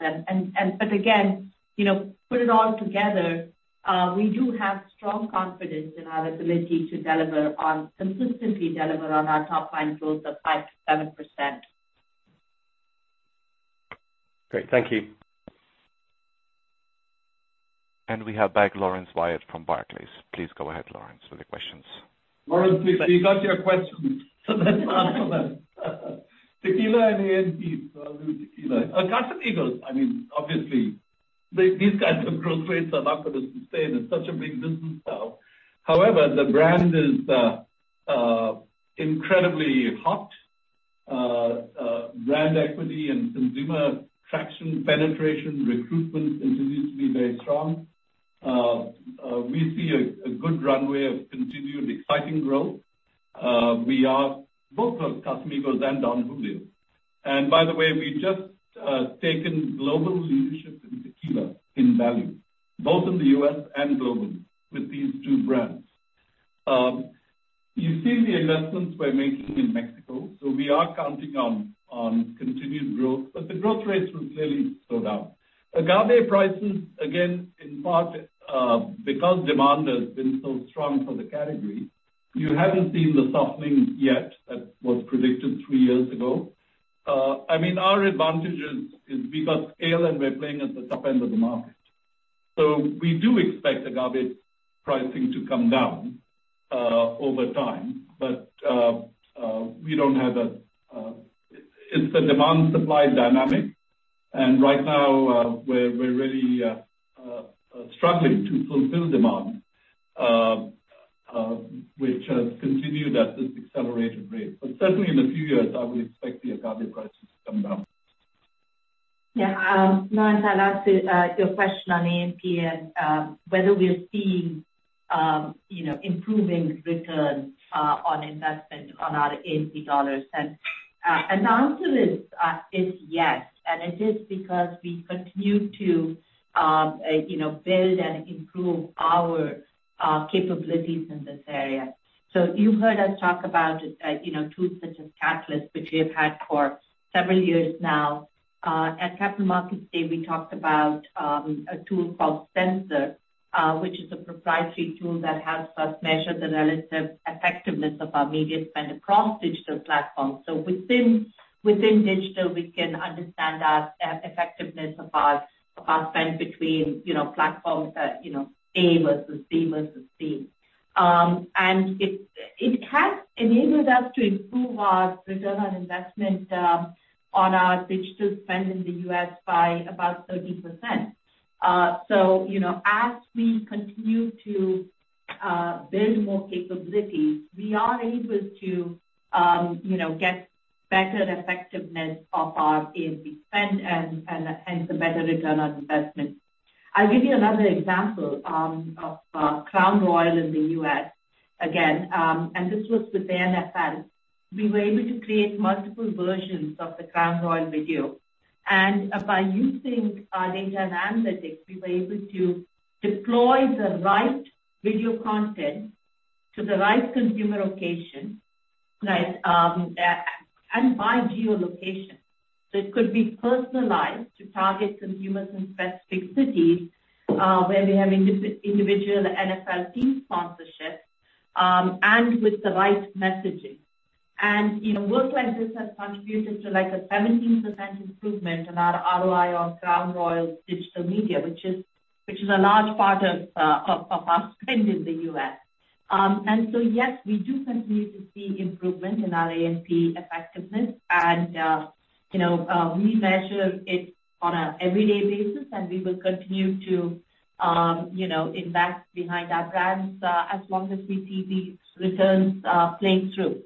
Again, you know, put it all together, we do have strong confidence in our ability to consistently deliver on our top line growth of 5%-7%. Great. Thank you. We have back Laurence Whyatt from Barclays. Please go ahead, Laurence, with your questions. Lawrence, please, you got your question. Let's answer that. Tequila and A&P, I'll do tequila. Casamigos, I mean, obviously, these kinds of growth rates are not gonna sustain in such a big business now. However, the brand is incredibly hot. Brand equity and consumer traction, penetration, recruitment continues to be very strong. We see a good runway of continued exciting growth. We are both of Casamigos and Don Julio. By the way, we've just taken global leadership in tequila in value, both in the U.S. and globally with these two brands. You've seen the investments we're making in Mexico, so we are counting on continued growth, but the growth rates will clearly slow down. Agave prices, again, in part, because demand has been so strong for the category, you haven't seen the softening yet that was predicted three years ago. I mean, our advantage is we've got scale, and we're playing at the top end of the market. So we do expect agave pricing to come down over time, but it's the demand-supply dynamic. Right now, we're really struggling to fulfill demand, which has continued at this accelerated rate. Certainly in a few years, I would expect the agave prices to come down. Yeah. Laurence, I'll answer your question on A&P and whether we're seeing, you know, improving returns on investment on our A&P dollars. The answer is yes, and it is because we continue to, you know, build and improve our capabilities in this area. You've heard us talk about, you know, tools such as Catalyst, which we have had for several years now. At Capital Markets Day, we talked about a tool called Sensor, which is a proprietary tool that helps us measure the relative effectiveness of our media spend across digital platforms. Within digital, we can understand our effectiveness of our spend between, you know, platforms at, you know, A versus B versus C. It has enabled us to improve our return on investment on our digital spend in the U.S. by about 30%. You know, as we continue to build more capabilities, we are able to, you know, get better effectiveness of our A&P spend and some better return on investment. I'll give you another example of Crown Royal in the U.S. again, and this was with the NFL. We were able to create multiple versions of the Crown Royal video. By using data and analytics, we were able to deploy the right video content to the right consumer location and by geolocation. It could be personalized to target consumers in specific cities where we have individual NFL team sponsorship and with the right messaging. You know, work like this has contributed to, like, a 17% improvement in our ROI on Crown Royal's digital media, which is a large part of our spend in the U.S. Yes, we do continue to see improvement in our AMP effectiveness and, you know, we measure it on a everyday basis, and we will continue to, you know, invest behind our brands, as long as we see the returns playing through.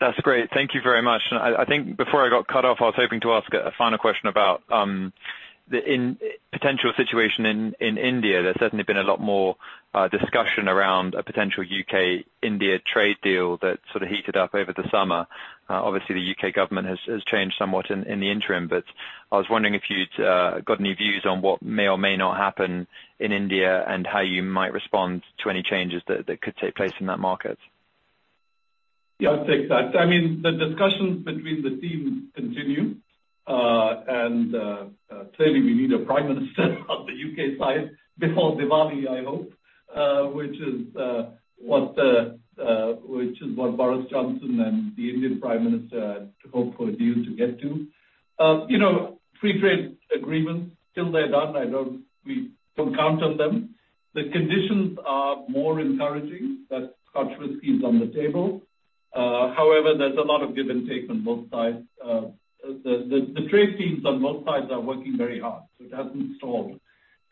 That's great. Thank you very much. I think before I got cut off, I was hoping to ask a final question about the potential situation in India. There's certainly been a lot more discussion around a potential U.K.-India trade deal that sort of heated up over the summer. Obviously the U.K. government has changed somewhat in the interim, but I was wondering if you'd got any views on what may or may not happen in India and how you might respond to any changes that could take place in that market. Yeah, I'll take that. I mean, the discussions between the teams continue. Clearly we need a prime minister of the U.K. side before Diwali, I hope, which is what Boris Johnson and the Indian prime minister had hoped for a deal to get to. You know, free trade agreements, till they're done, we don't count on them. The conditions are more encouraging that Scotch whisky is on the table. However, there's a lot of give and take on both sides. The trade teams on both sides are working very hard, so it hasn't stalled.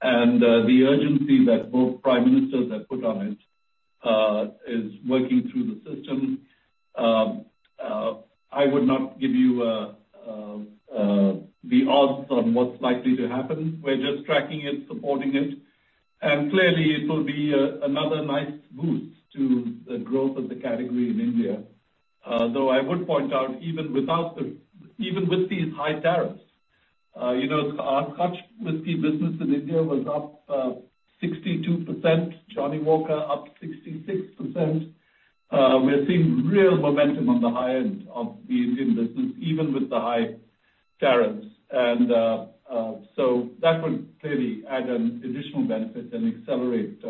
The urgency that both prime ministers have put on it is working through the system. I would not give you the odds on what's likely to happen. We're just tracking it, supporting it, and clearly it will be another nice boost to the growth of the category in India. Though I would point out, even with these high tariffs, you know, our Scotch whisky business in India was up 62%, Johnnie Walker up 66%. We're seeing real momentum on the high end of the Indian business, even with the high tariffs. That would clearly add an additional benefit and accelerate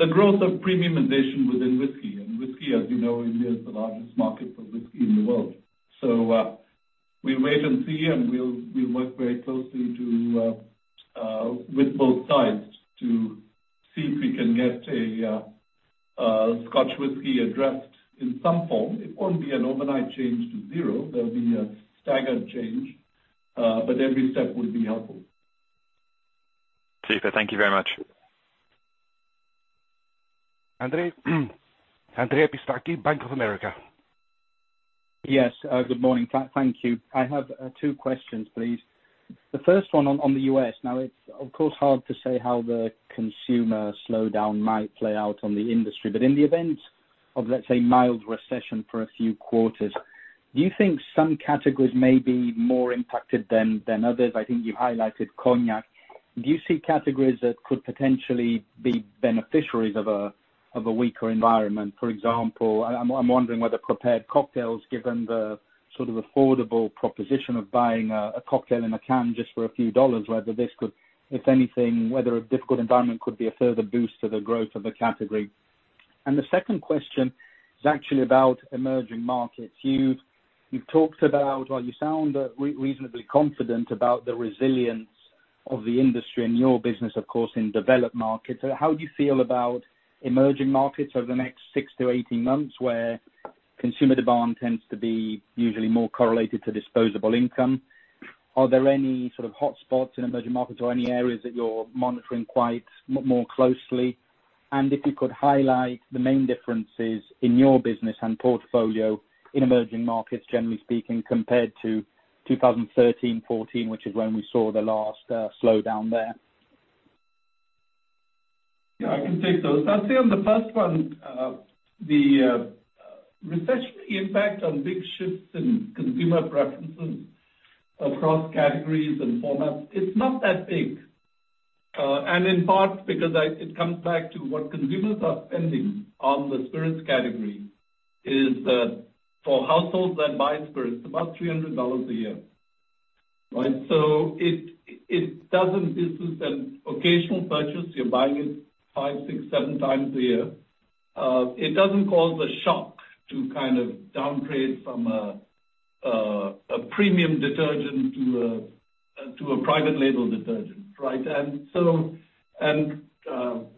the growth of premiumization within whiskey. Whiskey, as you know, India is the largest market for whiskey in the world. We wait and see, and we'll work very closely with both sides to see if we can get Scotch whisky addressed in some form. It won't be an overnight change to zero. There'll be a staggered change, but every step will be helpful. Super. Thank you very much. Andrea Pistacchi, Bank of America. Yes. Good morning. Thank you. I have two questions, please. The first one on the U.S. Now it's of course hard to say how the consumer slowdown might play out on the industry, but in the event of, let's say, mild recession for a few quarters, do you think some categories may be more impacted than others? I think you highlighted cognac. Do you see categories that could potentially be beneficiaries of a weaker environment? For example, I'm wondering whether prepared cocktails, given the sort of affordable proposition of buying a cocktail in a can just for a few dollars, whether this could, if anything, whether a difficult environment could be a further boost to the growth of the category. The second question is actually about emerging markets. You've talked about Well, you sound reasonably confident about the resilience of the industry and your business, of course, in developed markets. How do you feel about emerging markets over the next six to 18 months, where consumer demand tends to be usually more correlated to disposable income? Are there any sort of hotspots in emerging markets or any areas that you're monitoring quite more closely? And if you could highlight the main differences in your business and portfolio in emerging markets, generally speaking, compared to 2013, 2014, which is when we saw the last slowdown there. Yeah, I can take those. I'd say on the first one, the recession impact on big shifts in consumer preferences across categories and formats, it's not that big. In part because it comes back to what consumers are spending on the spirits category is that for households that buy spirits, about $300 a year, right? It doesn't. This is an occasional purchase. You're buying it five, six, seven times a year. It doesn't cause a shock to kind of downgrade from a premium detergent to a private label detergent, right?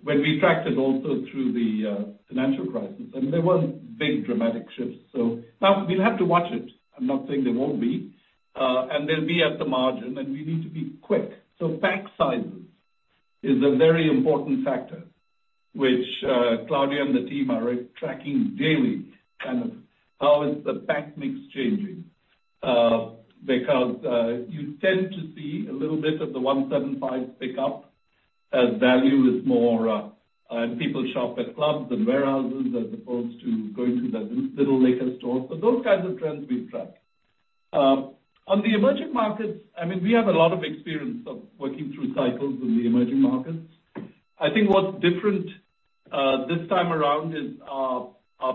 When we tracked it also through the financial crisis, I mean, there wasn't big dramatic shifts. Now we'll have to watch it. I'm not saying there won't be, and they'll be at the margin, and we need to be quick. Pack sizes is a very important factor, which, Claudia and the team are tracking daily, kind of how is the pack mix changing? Because you tend to see a little bit of the 1.75 pick up as value is more, people shop at clubs and warehouses as opposed to going to the little liquor store. Those kinds of trends we've tracked. On the emerging markets, I mean, we have a lot of experience of working through cycles in the emerging markets. I think what's different, this time around is our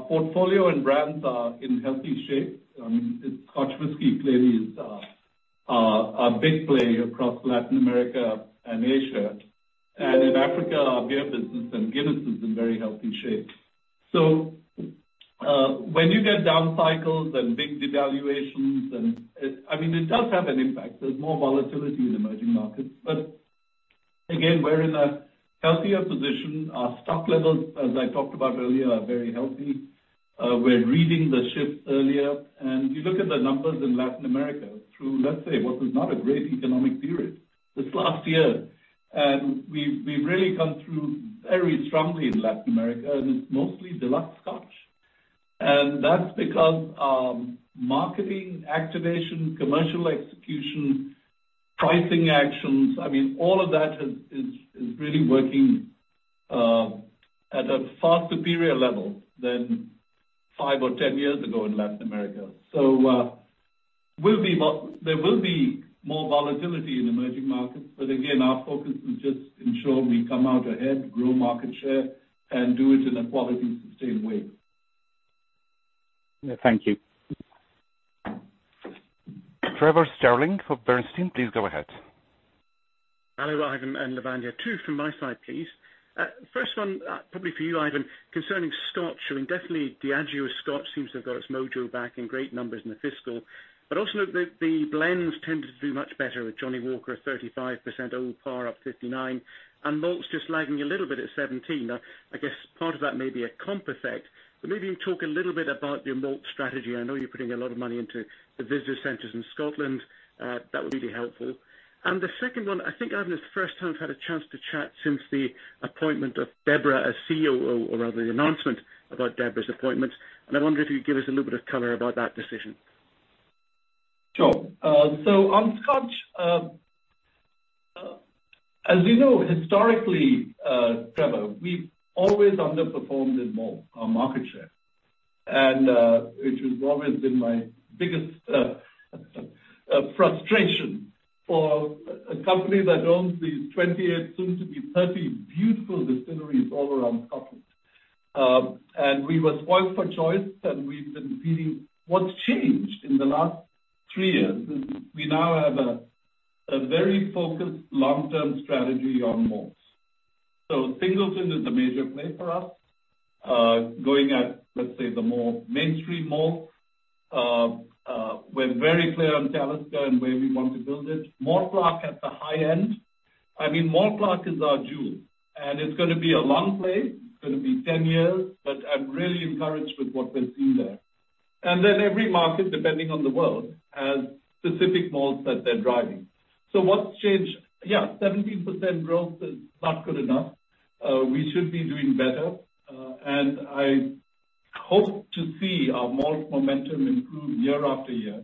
portfolio and brands are in healthy shape. I mean, it's Scotch whisky clearly is, a big play across Latin America and Asia. In Africa, our beer business and Guinness is in very healthy shape. When you get down cycles and big devaluations, I mean, it does have an impact. There's more volatility in emerging markets. Again, we're in a healthier position. Our stock levels, as I talked about earlier, are very healthy. We're reading the shifts earlier, and you look at the numbers in Latin America through, let's say, what was not a great economic period this last year, and we've really come through very strongly in Latin America, and it's mostly deluxe Scotch. That's because marketing, activation, commercial execution, pricing actions, I mean, all of that is really working at a far superior level than five or 10 years ago in Latin America. There will be more volatility in emerging markets, but again, our focus is just ensure we come out ahead, grow market share, and do it in a quality, sustained way. Yeah, thank you. Trevor Stirling for Bernstein, please go ahead. Hello, Ivan and Lavanya. Two from my side, please. First one, probably for you, Ivan, concerning Scotch. I mean, definitely Diageo's Scotch seems to have got its mojo back in great numbers in the fiscal. But also the blends tended to do much better with Johnnie Walker at 35%, Old Parr up 59%, and malts just lagging a little bit at 17%. Now, I guess part of that may be a comp effect, but maybe you can talk a little bit about your malt strategy. I know you're putting a lot of money into the visitor centers in Scotland. That would be really helpful. The second one, I think, Ivan, it's the first time we've had a chance to chat since the appointment of Debra as CEO, or rather the announcement about Debra's appointment. I wonder if you could give us a little bit of color about that decision. Sure. On Scotch, as we know, historically, Trevor, we've always underperformed in malt, our market share. Which has always been my biggest frustration for a company that owns these 28, soon to be 30, beautiful distilleries all around Scotland. What's changed in the last three years is we now have a very focused long-term strategy on malts. Singleton is a major play for us, going at, let's say, the more mainstream malt. We're very clear on Talisker and where we want to build it. Mortlach at the high end. I mean, Mortlach is our jewel, and it's gonna be a long play. It's gonna be 10 years, but I'm really encouraged with what we're seeing there. Every market, depending on the world, has specific malts that they're driving. What's changed? Yeah, 17% growth is not good enough. We should be doing better, and I hope to see our malt momentum improve year after year.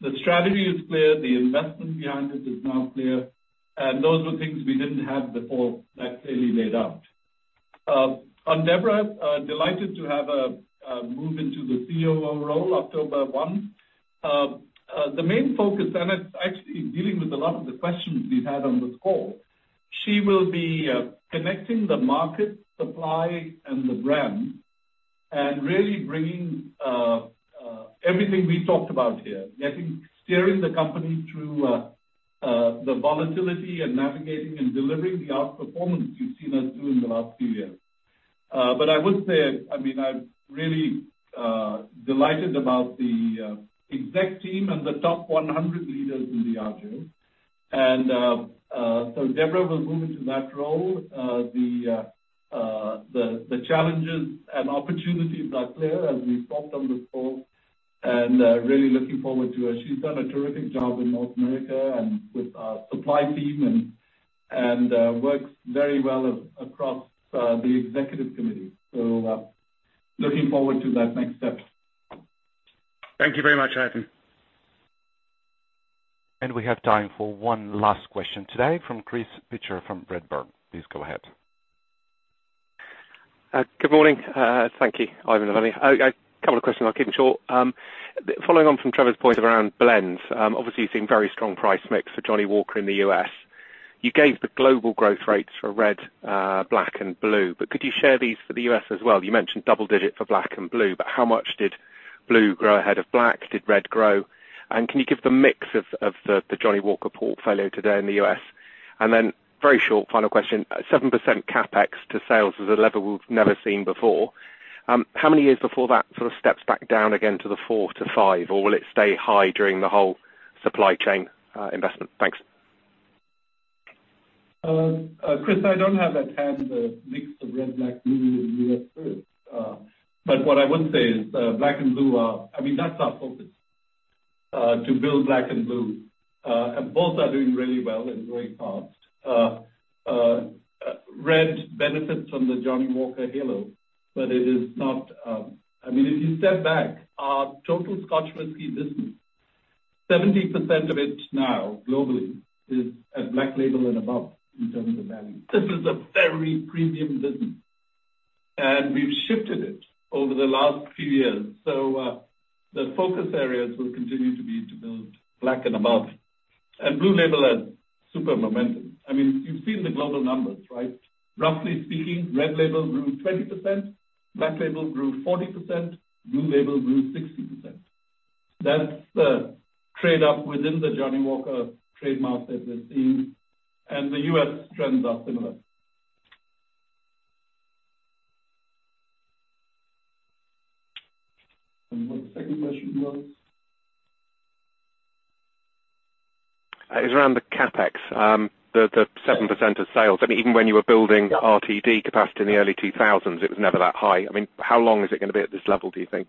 The strategy is clear, the investment behind it is now clear, and those were things we didn't have before that clearly laid out. On Debra, delighted to have her move into the COO role October 1. The main focus, and it's actually dealing with a lot of the questions we've had on this call, she will be connecting the market supply and the brand, and really bringing everything we talked about here. Steering the company through the volatility and navigating and delivering the outperformance you've seen us do in the last few years. I would say, I mean, I'm really delighted about the exec team and the top 100 leaders in Diageo. Debra will move into that role. The challenges and opportunities are clear as we've talked on this call, and really looking forward to it. She's done a terrific job in North America and with our supply team and works very well across the executive committee. Looking forward to that next step. Thank you very much, Ivan. We have time for one last question today from Chris Pitcher from Redburn. Please go ahead. Good morning. Thank you, Ivan and Lavanya. Couple of questions, I'll keep it short. Following on from Trevor's point around blends, obviously you've seen very strong price mix for Johnnie Walker in the U.S. You gave the global growth rates for Red, Black and Blue, but could you share these for the U.S. as well? You mentioned double-digit for Black and Blue, but how much did Blue grow ahead of Black? Did Red grow? And can you give the mix of the Johnnie Walker portfolio today in the U.S.? And then very short final question. 7% CapEx to sales is a level we've never seen before. How many years before that sort of steps back down again to the 4%-5%, or will it stay high during the whole supply chain investment? Thanks. Chris, I don't have at hand the mix of Red Label, Black Label, Blue Label in the U.S. too. But what I would say is, Black Label and Blue Label are. I mean, that's our focus, to build Black Label and Blue Label. Both are doing really well and growing fast. Red Label benefits from the Johnnie Walker halo, but it is not. I mean, if you step back, our total Scotch whisky business, 70% of it now globally is at Black Label and above in terms of value. This is a very premium business, and we've shifted it over the last few years. The focus areas will continue to be to build Black Label and above. Blue Label has super momentum. I mean, you've seen the global numbers, right? Roughly speaking, Red Label grew 20%, Black Label grew 40%, Blue Label grew 60%. That's the trade-up within the Johnnie Walker trademark that we've seen, and the U.S. trends are similar. What's the second question was? It's around the CapEx, the 7% of sales. I mean, even when you were building RTD capacity in the early 2000s, it was never that high. I mean, how long is it gonna be at this level, do you think?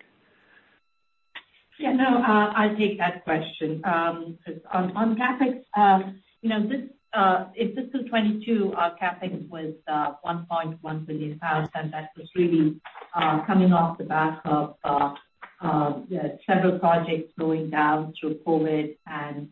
Yeah, no, I'll take that question. On CapEx, you know, in fiscal 2022, our CapEx was 1.1 billion pounds, and that was really coming off the back of several projects slowing down through COVID and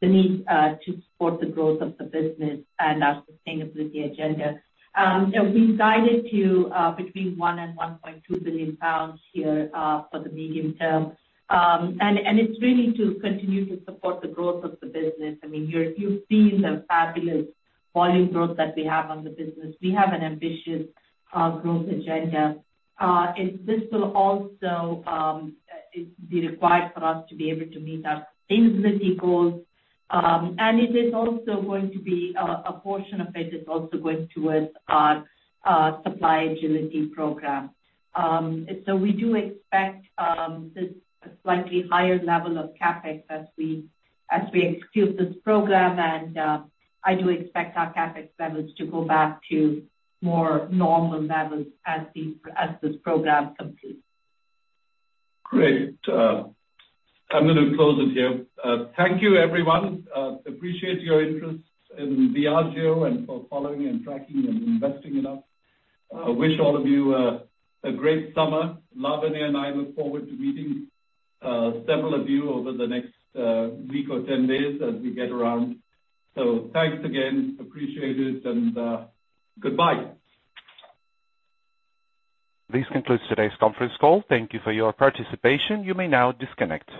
the need to support the growth of the business and our sustainability agenda. You know, we guided to between 1 billion and 1.2 billion pounds here for the medium term. It's really to continue to support the growth of the business. I mean, you've seen the fabulous volume growth that we have on the business. We have an ambitious growth agenda. This will also be required for us to be able to meet our sustainability goals. It is also going to be a portion of it also going towards our supply chain agility program. We do expect this slightly higher level of CapEx as we execute this program, and I do expect our CapEx levels to go back to more normal levels as this program completes. Great. I'm gonna close it here. Thank you everyone. Appreciate your interest in Diageo and for following and tracking and investing in us. Wish all of you a great summer. Lavanya and I look forward to meeting several of you over the next week or ten days as we get around. Thanks again, appreciate it, and goodbye. This concludes today's conference call. Thank you for your participation. You may now disconnect.